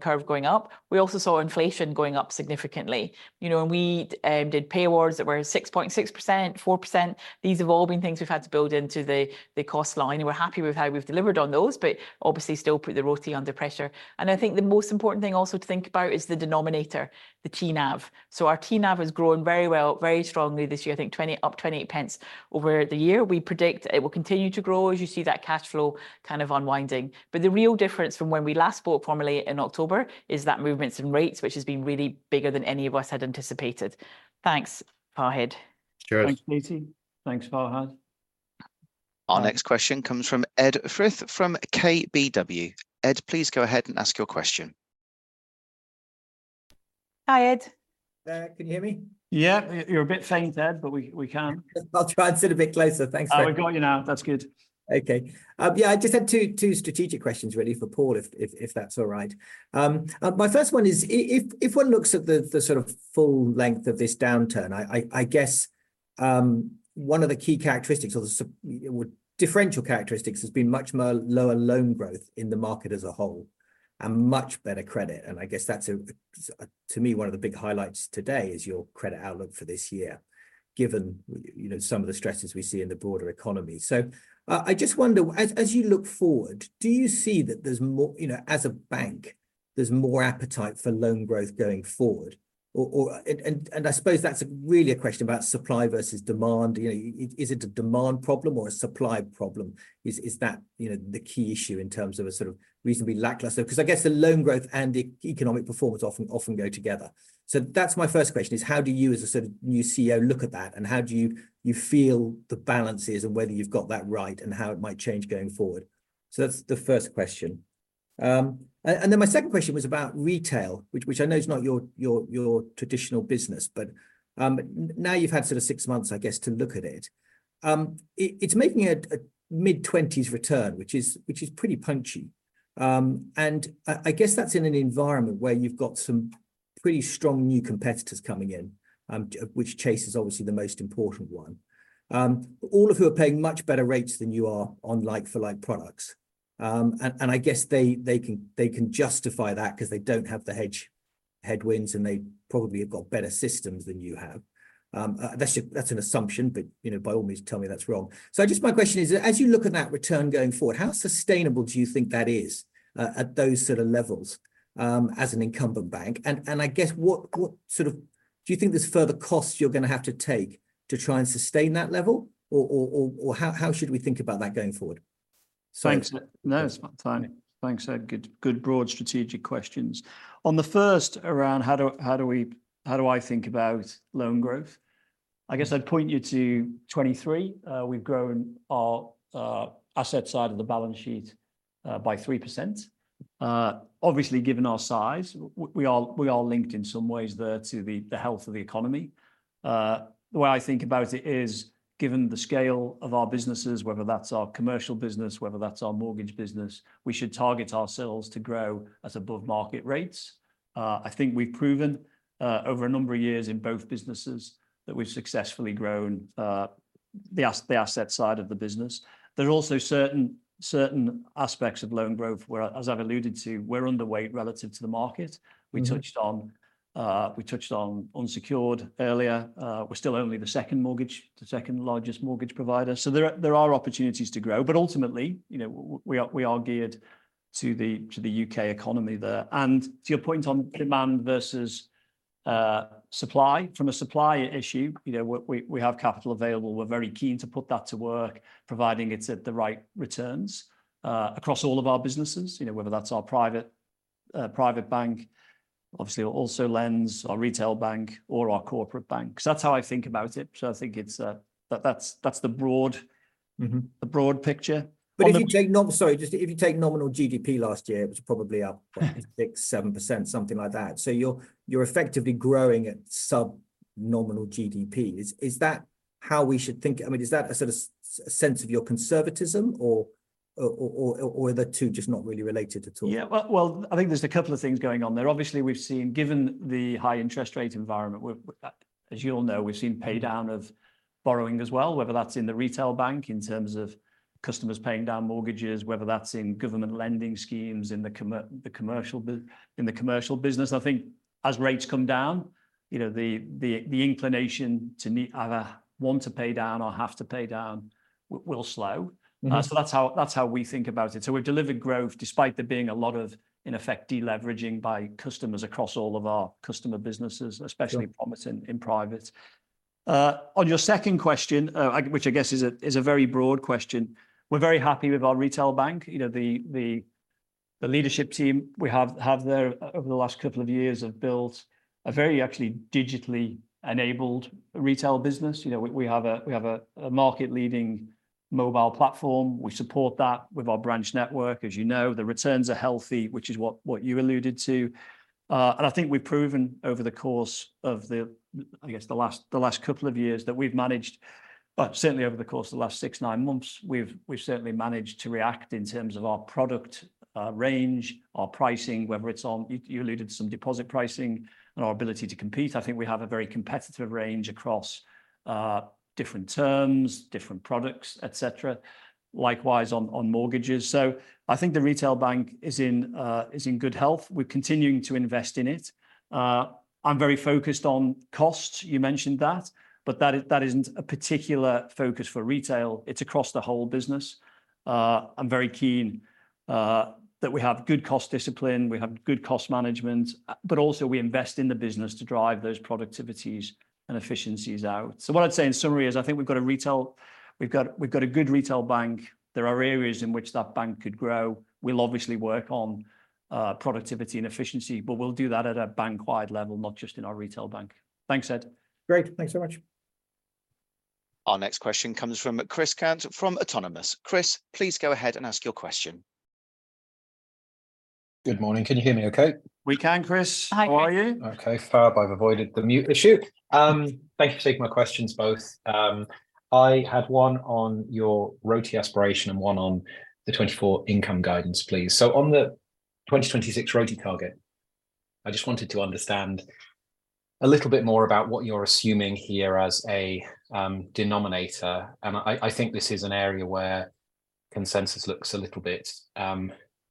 curve going up, we also saw inflation going up significantly. And we did pay awards that were 6.6%, 4%. These have all been things we've had to build into the cost line. And we're happy with how we've delivered on those, but obviously still put the RoTE under pressure. And I think the most important thing also to think about is the denominator, the TNAV. So our TNAV has grown very well, very strongly this year, I think up 0.28 over the year. We predict it will continue to grow as you see that cash flow kind of unwinding. The real difference from when we last spoke formally in October is that movements in rates, which has been really bigger than any of us had anticipated. Thanks, Fahed. Cheers. Thanks, Katie. Thanks, Fahed. Our next question comes from Ed Firth from KBW. Ed, please go ahead and ask your question. Hi, Ed. Can you hear me? Yeah. You're a bit faint, Ed, but we can. I'll try and sit a bit closer. Thanks, Fred. Oh, we've got you now. That's good. Okay. Yeah, I just had two strategic questions really for Paul, if that's all right. My first one is if one looks at the sort of full length of this downturn, I guess one of the key characteristics or the differential characteristics has been much more lower loan growth in the market as a whole and much better credit. And I guess that's, to me, one of the big highlights today is your credit outlook for this year, given some of the stresses we see in the broader economy. So I just wonder, as you look forward, do you see that there's more, as a bank, there's more appetite for loan growth going forward? And I suppose that's really a question about supply versus demand. Is it a demand problem or a supply problem? Is that the key issue in terms of a sort of reasonably lackluster? Because I guess the loan growth and the economic performance often go together. So that's my first question is how do you, as a sort of new CEO, look at that? And how do you feel the balances and whether you've got that right and how it might change going forward? So that's the first question. And then my second question was about retail, which I know is not your traditional business, but now you've had sort of six months, I guess, to look at it. It's making a mid-20s return, which is pretty punchy. And I guess that's in an environment where you've got some pretty strong new competitors coming in, which Chase is obviously the most important one, all of who are paying much better rates than you are on like-for-like products. I guess they can justify that because they don't have the hedge headwinds and they probably have got better systems than you have. That's an assumption, but by all means, tell me that's wrong. I guess my question is, as you look at that return going forward, how sustainable do you think that is at those sort of levels as an incumbent bank? And I guess what sort of do you think there's further costs you're going to have to take to try and sustain that level? Or how should we think about that going forward? Thanks. No, it's fine. Thanks, Ed. Good broad strategic questions. On the first around how do I think about loan growth? I guess I'd point you to 2023. We've grown our asset side of the balance sheet by 3%. Obviously, given our size, we are linked in some ways there to the health of the economy. The way I think about it is, given the scale of our businesses, whether that's our commercial business, whether that's our mortgage business, we should target ourselves to grow at above market rates. I think we've proven over a number of years in both businesses that we've successfully grown the asset side of the business. There's also certain aspects of loan growth where, as I've alluded to, we're underweight relative to the market. We touched on unsecured earlier. We're still only the second largest mortgage provider. So there are opportunities to grow. But ultimately, we are geared to the UK economy there. To your point on demand versus supply, from a supply issue, we have capital available. We're very keen to put that to work, providing it at the right returns across all of our businesses, whether that's our private bank, obviously also lends, our retail bank, or our corporate bank. So that's how I think about it. So I think that's the broad picture. But if you take nominal, sorry, just if you take nominal GDP last year, it was probably up 6%, 7%, something like that. So you're effectively growing at subnormal GDP. Is that how we should think? I mean, is that a sort of sense of your conservatism or are the two just not really related at all? Yeah. Well, I think there's a couple of things going on there. Obviously, we've seen, given the high interest rate environment, as you all know, we've seen paydown of borrowing as well, whether that's in the retail bank in terms of customers paying down mortgages, whether that's in government lending schemes in the commercial business. I think as rates come down, the inclination to either want to pay down or have to pay down will slow. So that's how we think about it. So we've delivered growth despite there being a lot of, in effect, deleveraging by customers across all of our customer businesses, especially promising in private. On your second question, which I guess is a very broad question, we're very happy with our retail bank. The leadership team we have there over the last couple of years have built a very actually digitally enabled retail business. We have a market-leading mobile platform. We support that with our branch network. As you know, the returns are healthy, which is what you alluded to. I think we've proven over the course of, I guess, the last couple of years that we've managed, certainly over the course of the last six, nine months, we've certainly managed to react in terms of our product range, our pricing, whether it's on, you alluded to, some deposit pricing and our ability to compete. I think we have a very competitive range across different terms, different products, etc., likewise on mortgages. I think the retail bank is in good health. We're continuing to invest in it. I'm very focused on costs. You mentioned that, but that isn't a particular focus for retail. It's across the whole business. I'm very keen that we have good cost discipline. We have good cost management, but also we invest in the business to drive those productivities and efficiencies out. So what I'd say in summary is I think we've got a good retail bank. There are areas in which that bank could grow. We'll obviously work on productivity and efficiency, but we'll do that at a bank-wide level, not just in our retail bank. Thanks, Ed. Great. Thanks so much. Our next question comes from Chris Cant from Autonomous. Chris, please go ahead and ask your question. Good morning. Can you hear me okay? We can, Chris. How are you? Okay, so far. I've avoided the mute issue. Thank you for taking my questions both. I had one on your RoTE aspiration and one on the 2024 income guidance, please. So on the 2026 RoTE target, I just wanted to understand a little bit more about what you're assuming here as a denominator. And I think this is an area where consensus looks a little bit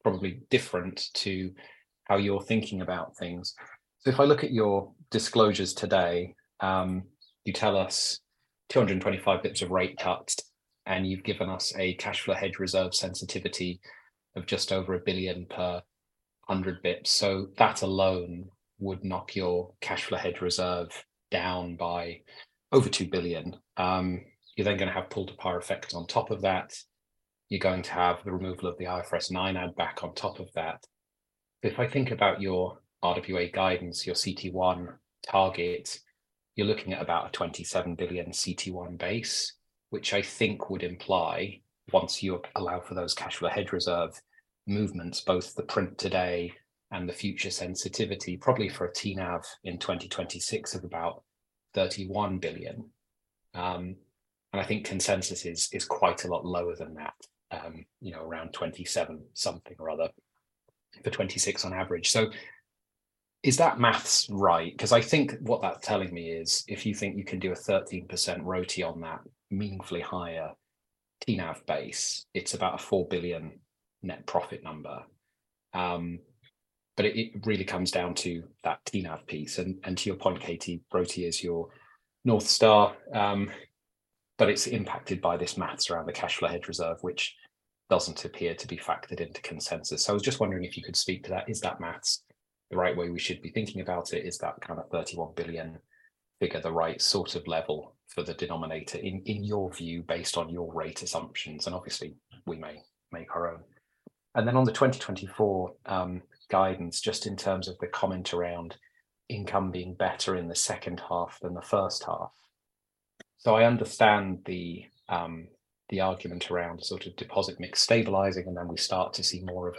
probably different to how you're thinking about things. So if I look at your disclosures today, you tell us 225 bps of rate cuts, and you've given us a cash flow hedge reserve sensitivity of just over 1 billion per 100 bps. So that alone would knock your cash flow hedge reserve down by over 2 billion. You're then going to have pull-to-par effects on top of that. You're going to have the removal of the IFRS 9 add back on top of that. If I think about your RWA guidance, your CET1 target, you're looking at about a 27 billion CET1 base, which I think would imply, once you allow for those cash flow hedge reserve movements, both the print today and the future sensitivity, probably for a TNAV in 2026 of about 31 billion. I think consensus is quite a lot lower than that, around 27 something or other for 2026 on average. So is that math right? Because I think what that's telling me is, if you think you can do a 13% RoTE on that meaningfully higher TNAV base, it's about a 4 billion net profit number. But it really comes down to that TNAV piece. To your point, Katie, RoTE is your North Star, but it's impacted by this math around the cash flow hedge reserve, which doesn't appear to be factored into consensus. So I was just wondering if you could speak to that. Is that maths the right way we should be thinking about it? Is that kind of 31 billion figure the right sort of level for the denominator, in your view, based on your rate assumptions? And obviously, we may make our own. And then on the 2024 guidance, just in terms of the comment around income being better in the second half than the first half. So I understand the argument around sort of deposit mix stabilising, and then we start to see more of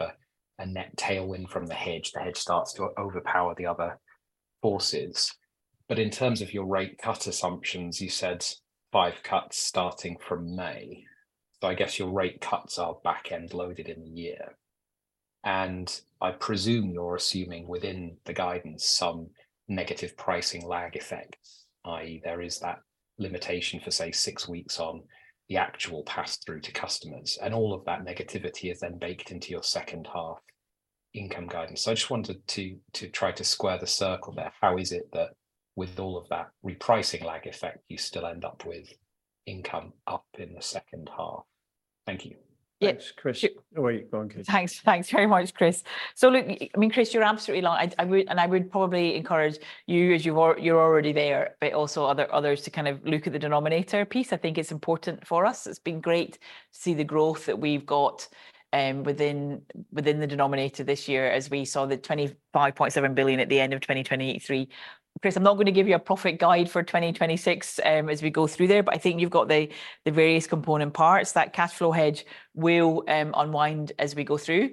a net tailwind from the hedge. The hedge starts to overpower the other forces. But in terms of your rate cut assumptions, you said five cuts starting from May. So I guess your rate cuts are backend loaded in the year. I presume you're assuming within the guidance some negative pricing lag effect, i.e., there is that limitation for, say, six weeks on the actual pass-through to customers. All of that negativity is then baked into your second half income guidance. I just wanted to try to square the circle there. How is it that with all of that repricing lag effect, you still end up with income up in the second half? Thank you. Yes, Chris. Oh, wait. Go on, Katie. Thanks. Thanks very much, Chris. So look, I mean, Chris, you're absolutely right. And I would probably encourage you, as you're already there, but also others to kind of look at the denominator piece. I think it's important for us. It's been great to see the growth that we've got within the denominator this year as we saw the 25.7 billion at the end of 2023. Chris, I'm not going to give you a profit guide for 2026 as we go through there, but I think you've got the various component parts. That cash flow hedge will unwind as we go through.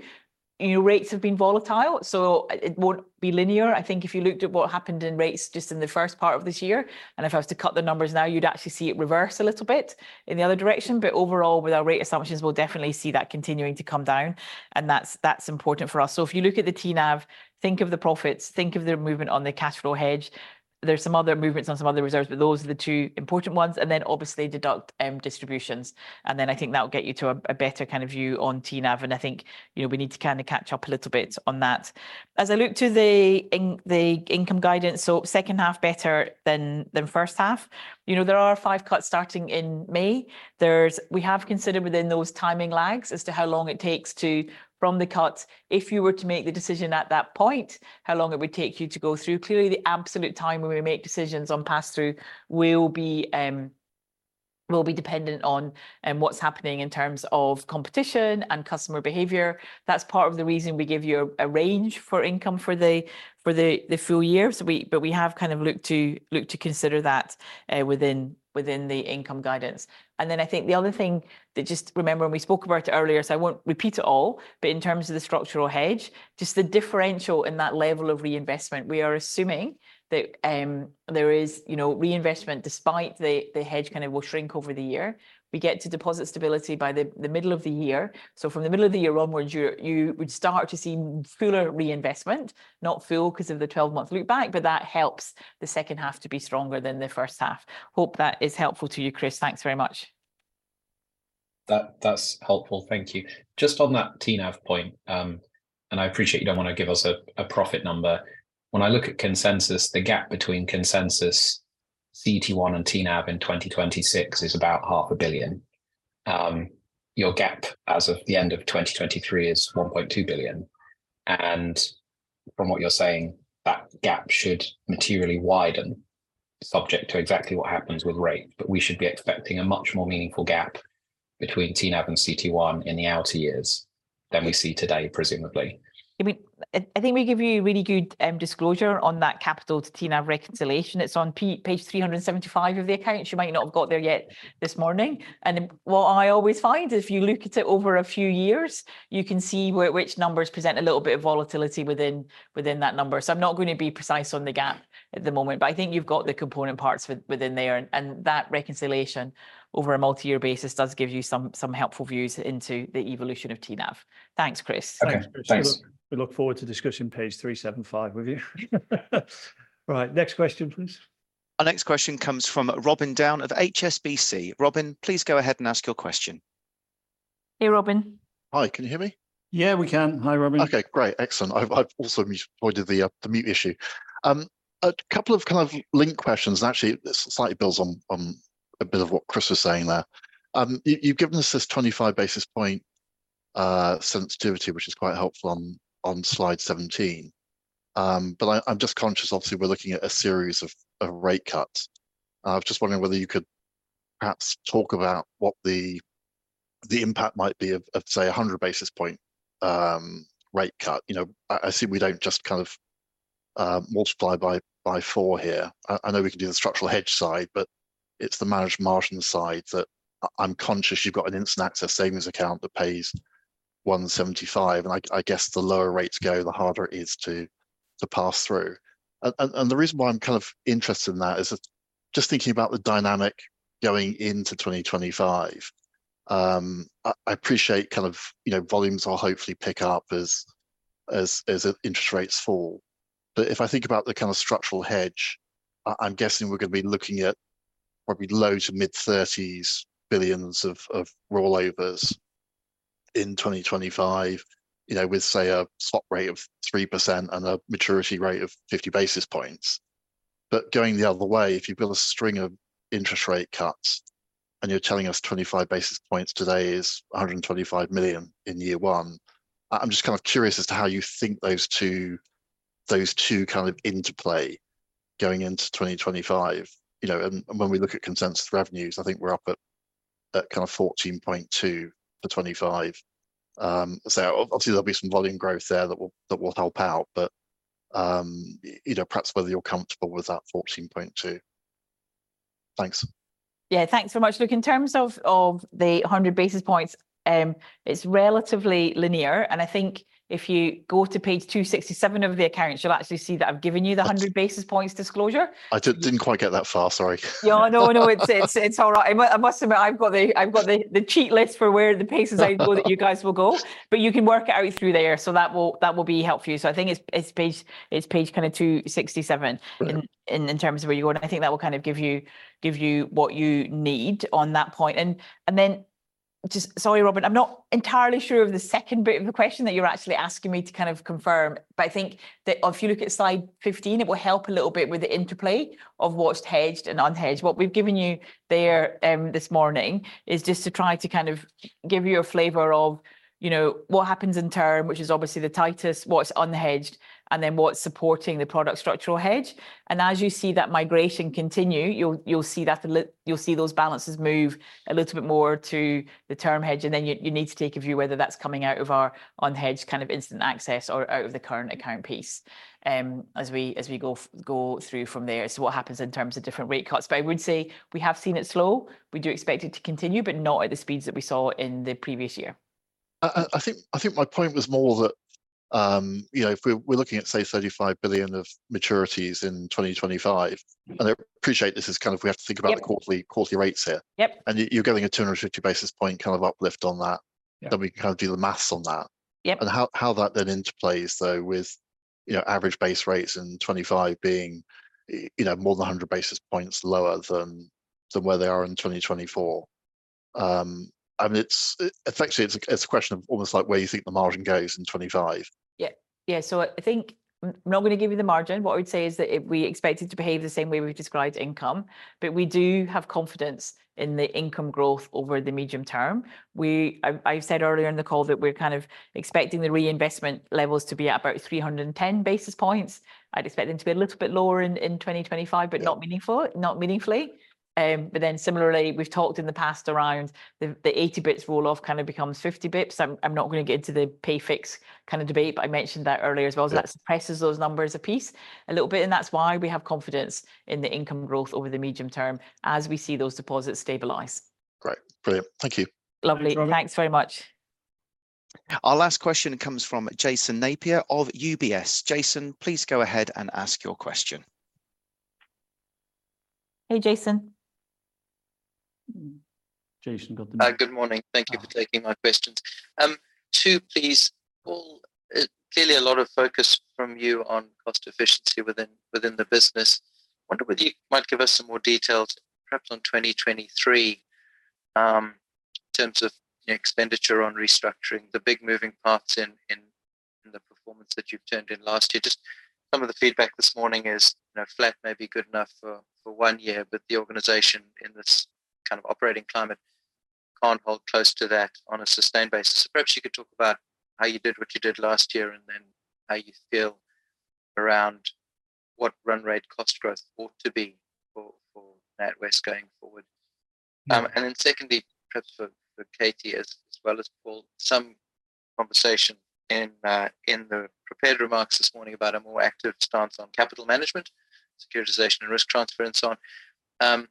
Rates have been volatile, so it won't be linear. I think if you looked at what happened in rates just in the first part of this year, and if I was to cut the numbers now, you'd actually see it reverse a little bit in the other direction. But overall, with our rate assumptions, we'll definitely see that continuing to come down. And that's important for us. So if you look at the TNAV, think of the profits, think of the movement on the cash flow hedge. There's some other movements on some other reserves, but those are the two important ones. And then obviously, deduct distributions. And then I think that'll get you to a better kind of view on TNAV. And I think we need to kind of catch up a little bit on that. As I look to the income guidance, so second half better than first half, there are five cuts starting in May. We have considered within those timing lags as to how long it takes from the cut. If you were to make the decision at that point, how long it would take you to go through. Clearly, the absolute time when we make decisions on pass-through will be dependent on what's happening in terms of competition and customer behavior. That's part of the reason we give you a range for income for the full year. But we have kind of looked to consider that within the income guidance. And then I think the other thing that just remember when we spoke about it earlier, so I won't repeat it all, but in terms of the structural hedge, just the differential in that level of reinvestment, we are assuming that there is reinvestment despite the hedge kind of will shrink over the year. We get to deposit stability by the middle of the year. From the middle of the year onwards, you would start to see fuller reinvestment, not full because of the 12-month loopback, but that helps the second half to be stronger than the first half. Hope that is helpful to you, Chris. Thanks very much. That's helpful. Thank you. Just on that TNAV point, and I appreciate you don't want to give us a profit number. When I look at consensus, the gap between consensus CET1 and TNAV in 2026 is about 0.5 billion. Your gap as of the end of 2023 is 1.2 billion. And from what you're saying, that gap should materially widen, subject to exactly what happens with rate. But we should be expecting a much more meaningful gap between TNAV and CET1 in the outer years than we see today, presumably. I mean, I think we give you a really good disclosure on that capital to TNAV reconciliation. It's on page 375 of the accounts. You might not have got there yet this morning. And what I always find is if you look at it over a few years, you can see which numbers present a little bit of volatility within that number. So I'm not going to be precise on the gap at the moment, but I think you've got the component parts within there. And that reconciliation over a multi-year basis does give you some helpful views into the evolution of TNAV. Thanks, Chris. Thanks, Chris. We look forward to discussing page 375 with you. Right. Next question, please. Our next question comes from Robin Down of HSBC. Robin, please go ahead and ask your question. Hey, Robin. Hi. Can you hear me? Yeah, we can. Hi, Robin. Okay. Great. Excellent. I've also avoided the mute issue. A couple of kind of link questions, and actually, this slightly builds on a bit of what Chris was saying there. You've given us this 25 basis point sensitivity, which is quite helpful on slide 17. But I'm just conscious, obviously, we're looking at a series of rate cuts. I was just wondering whether you could perhaps talk about what the impact might be of, say, a 100 basis point rate cut. I see we don't just kind of multiply by 4 here. I know we can do the structural hedge side, but it's the managed margin side that I'm conscious you've got an instant access savings account that pays 175. And I guess the lower rates go, the harder it is to pass through. The reason why I'm kind of interested in that is just thinking about the dynamic going into 2025. I appreciate kind of volumes will hopefully pick up as interest rates fall. But if I think about the kind of structural hedge, I'm guessing we're going to be looking at probably low- to mid-30s billions of rollovers in 2025 with, say, a swap rate of 3% and a maturity rate of 50 basis points. But going the other way, if you build a string of interest rate cuts and you're telling us 25 basis points today is 125 million in year one, I'm just kind of curious as to how you think those two kind of interplay going into 2025. And when we look at consensus revenues, I think we're up at kind of 14.2 billion for 2025. So obviously, there'll be some volume growth there that will help out, but perhaps whether you're comfortable with that 14.2? Thanks. Yeah, thanks very much. Look, in terms of the 100 basis points, it's relatively linear. I think if you go to page 267 of the accounts, you'll actually see that I've given you the 100 basis points disclosure. I didn't quite get that far. Sorry. Yeah, no, no. It's all right. I must admit, I've got the cheat list for where the pages I'd go that you guys will go. But you can work it out through there, so that will be helpful for you. So I think it's page kind of 267 in terms of where you're going. And I think that will kind of give you what you need on that point. And then just sorry, Robin. I'm not entirely sure of the second bit of the question that you're actually asking me to kind of confirm. But I think that if you look at slide 15, it will help a little bit with the interplay of what's hedged and unhedged. What we've given you there this morning is just to try to kind of give you a flavor of what happens in term, which is obviously the tightest, what's unhedged, and then what's supporting the product structural hedge. As you see that migration continue, you'll see those balances move a little bit more to the term hedge. Then you need to take a view whether that's coming out of our unhedged kind of instant access or out of the current account piece as we go through from there as to what happens in terms of different rate cuts. But I would say we have seen it slow. We do expect it to continue, but not at the speeds that we saw in the previous year. I think my point was more that if we're looking at, say, 35 billion of maturities in 2025, and I appreciate this as kind of we have to think about the quarterly rates here. You're getting a 250 basis point kind of uplift on that. Then we can kind of do the math on that. And how that then interplays, though, with average base rates in 2025 being more than 100 basis points lower than where they are in 2024. I mean, effectively, it's a question of almost like where you think the margin goes in 2025. Yeah. Yeah. So I think I'm not going to give you the margin. What I would say is that we expect it to behave the same way we've described income. But we do have confidence in the income growth over the medium term. I've said earlier in the call that we're kind of expecting the reinvestment levels to be at about 310 basis points. I'd expect them to be a little bit lower in 2025, but not meaningfully. But then similarly, we've talked in the past around the 80 basis points roll-off kind of becomes 50 basis points. I'm not going to get into the pay fix kind of debate, but I mentioned that earlier as well. So that suppresses those numbers a piece a little bit. And that's why we have confidence in the income growth over the medium term as we see those deposits stabilize. Great. Brilliant. Thank you. Lovely. Thanks very much. Our last question comes from Jason Napier of UBS. Jason, please go ahead and ask your question. Hey, Jason. Jason got the mic. Good morning. Thank you for taking my questions. Two, please. Clearly, a lot of focus from you on cost efficiency within the business. Wonder whether you might give us some more details, perhaps on 2023, in terms of expenditure on restructuring, the big moving parts in the performance that you've turned in last year? Just some of the feedback this morning is flat, maybe good enough for one year. But the organization in this kind of operating climate can't hold close to that on a sustained basis. So perhaps you could talk about how you did what you did last year and then how you feel around what run rate cost growth ought to be for NatWest going forward. Then secondly, perhaps for Katie as well as Paul, some conversation in the prepared remarks this morning about a more active stance on capital management, securitization, and risk transfer and so on.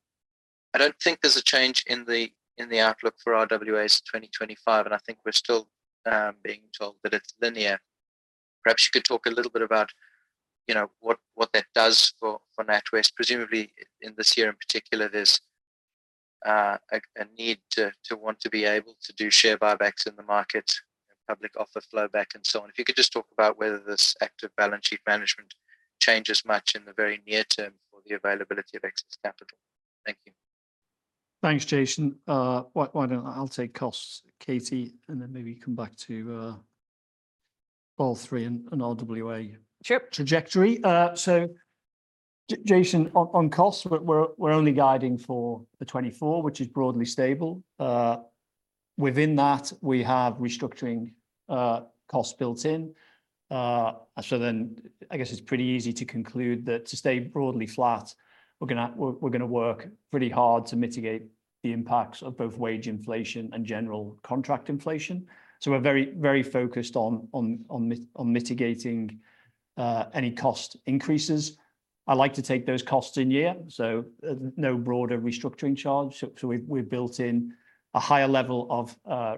I don't think there's a change in the outlook for RWAs 2025. And I think we're still being told that it's linear. Perhaps you could talk a little bit about what that does for NatWest. Presumably, in this year in particular, there's a need to want to be able to do share buybacks in the market, public offer flowback, and so on. If you could just talk about whether this active balance sheet management changes much in the very near term for the availability of excess capital. Thank you. Thanks, Jason. Well, I'll take costs, Katie, and then maybe come back to all three and RWA trajectory. So Jason, on costs, we're only guiding for the 2024, which is broadly stable. Within that, we have restructuring costs built in. So then I guess it's pretty easy to conclude that to stay broadly flat, we're going to work pretty hard to mitigate the impacts of both wage inflation and general contract inflation. So we're very focused on mitigating any cost increases. I like to take those costs in year. So no broader restructuring charge. So we've built in a higher level of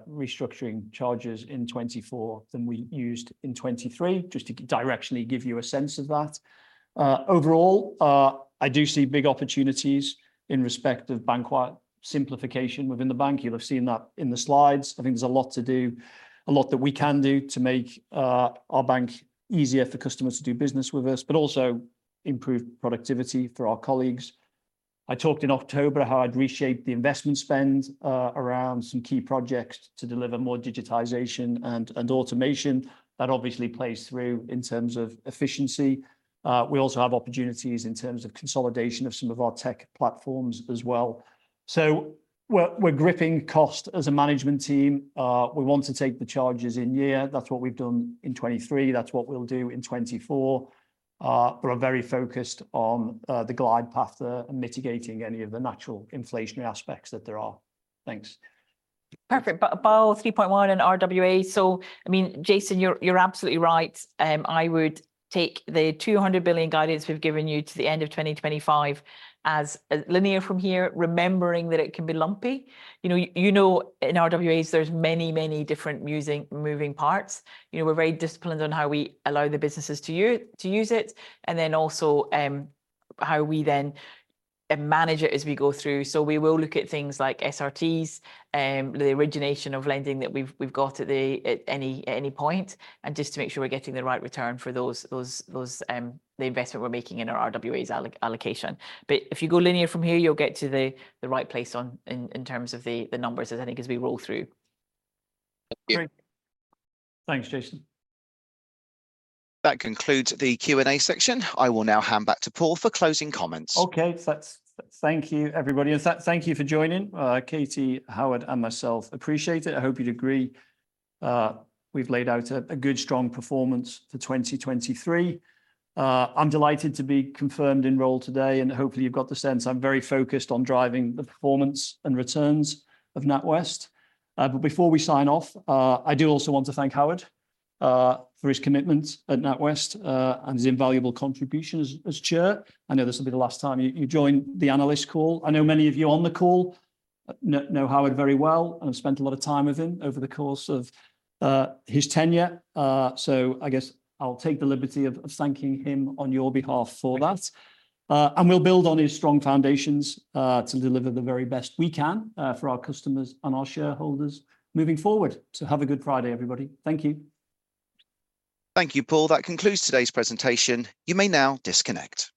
restructuring charges in 2024 than we used in 2023, just to directionally give you a sense of that. Overall, I do see big opportunities in respect of simplification within the bank. You'll have seen that in the slides. I think there's a lot to do, a lot that we can do to make our bank easier for customers to do business with us, but also improve productivity for our colleagues. I talked in October how I'd reshape the investment spend around some key projects to deliver more digitization and automation that obviously plays through in terms of efficiency. We also have opportunities in terms of consolidation of some of our tech platforms as well. So we're gripping cost as a management team. We want to take the charges in year. That's what we've done in 2023. That's what we'll do in 2024. But we're very focused on the glide path and mitigating any of the natural inflationary aspects that there are. Thanks. Perfect. But Paul, 3.1 and RWA. So I mean, Jason, you're absolutely right. I would take the 200 billion guidance we've given you to the end of 2025 as linear from here, remembering that it can be lumpy. You know in RWAs, there's many, many different moving parts. We're very disciplined on how we allow the businesses to use it and then also how we then manage it as we go through. So we will look at things like SRTs, the origination of lending that we've got at any point, and just to make sure we're getting the right return for the investment we're making in our RWAs allocation. But if you go linear from here, you'll get to the right place in terms of the numbers, as I think, as we roll through. Thanks, Jason. That concludes the Q&A section. I will now hand back to Paul for closing comments. Okay. Thank you, everybody. Thank you for joining. Katie, Howard, and myself appreciate it. I hope you'd agree we've laid out a good, strong performance for 2023. I'm delighted to be confirmed enrolled today. Hopefully, you've got the sense. I'm very focused on driving the performance and returns of NatWest. But before we sign off, I do also want to thank Howard for his commitment at NatWest and his invaluable contribution as Chair. I know this will be the last time you join the analyst call. I know many of you on the call know Howard very well, and I've spent a lot of time with him over the course of his tenure. I guess I'll take the liberty of thanking him on your behalf for that. We'll build on his strong foundations to deliver the very best we can for our customers and our shareholders moving forward. Have a good Friday, everybody. Thank you. Thank you, Paul. That concludes today's presentation. You may now disconnect.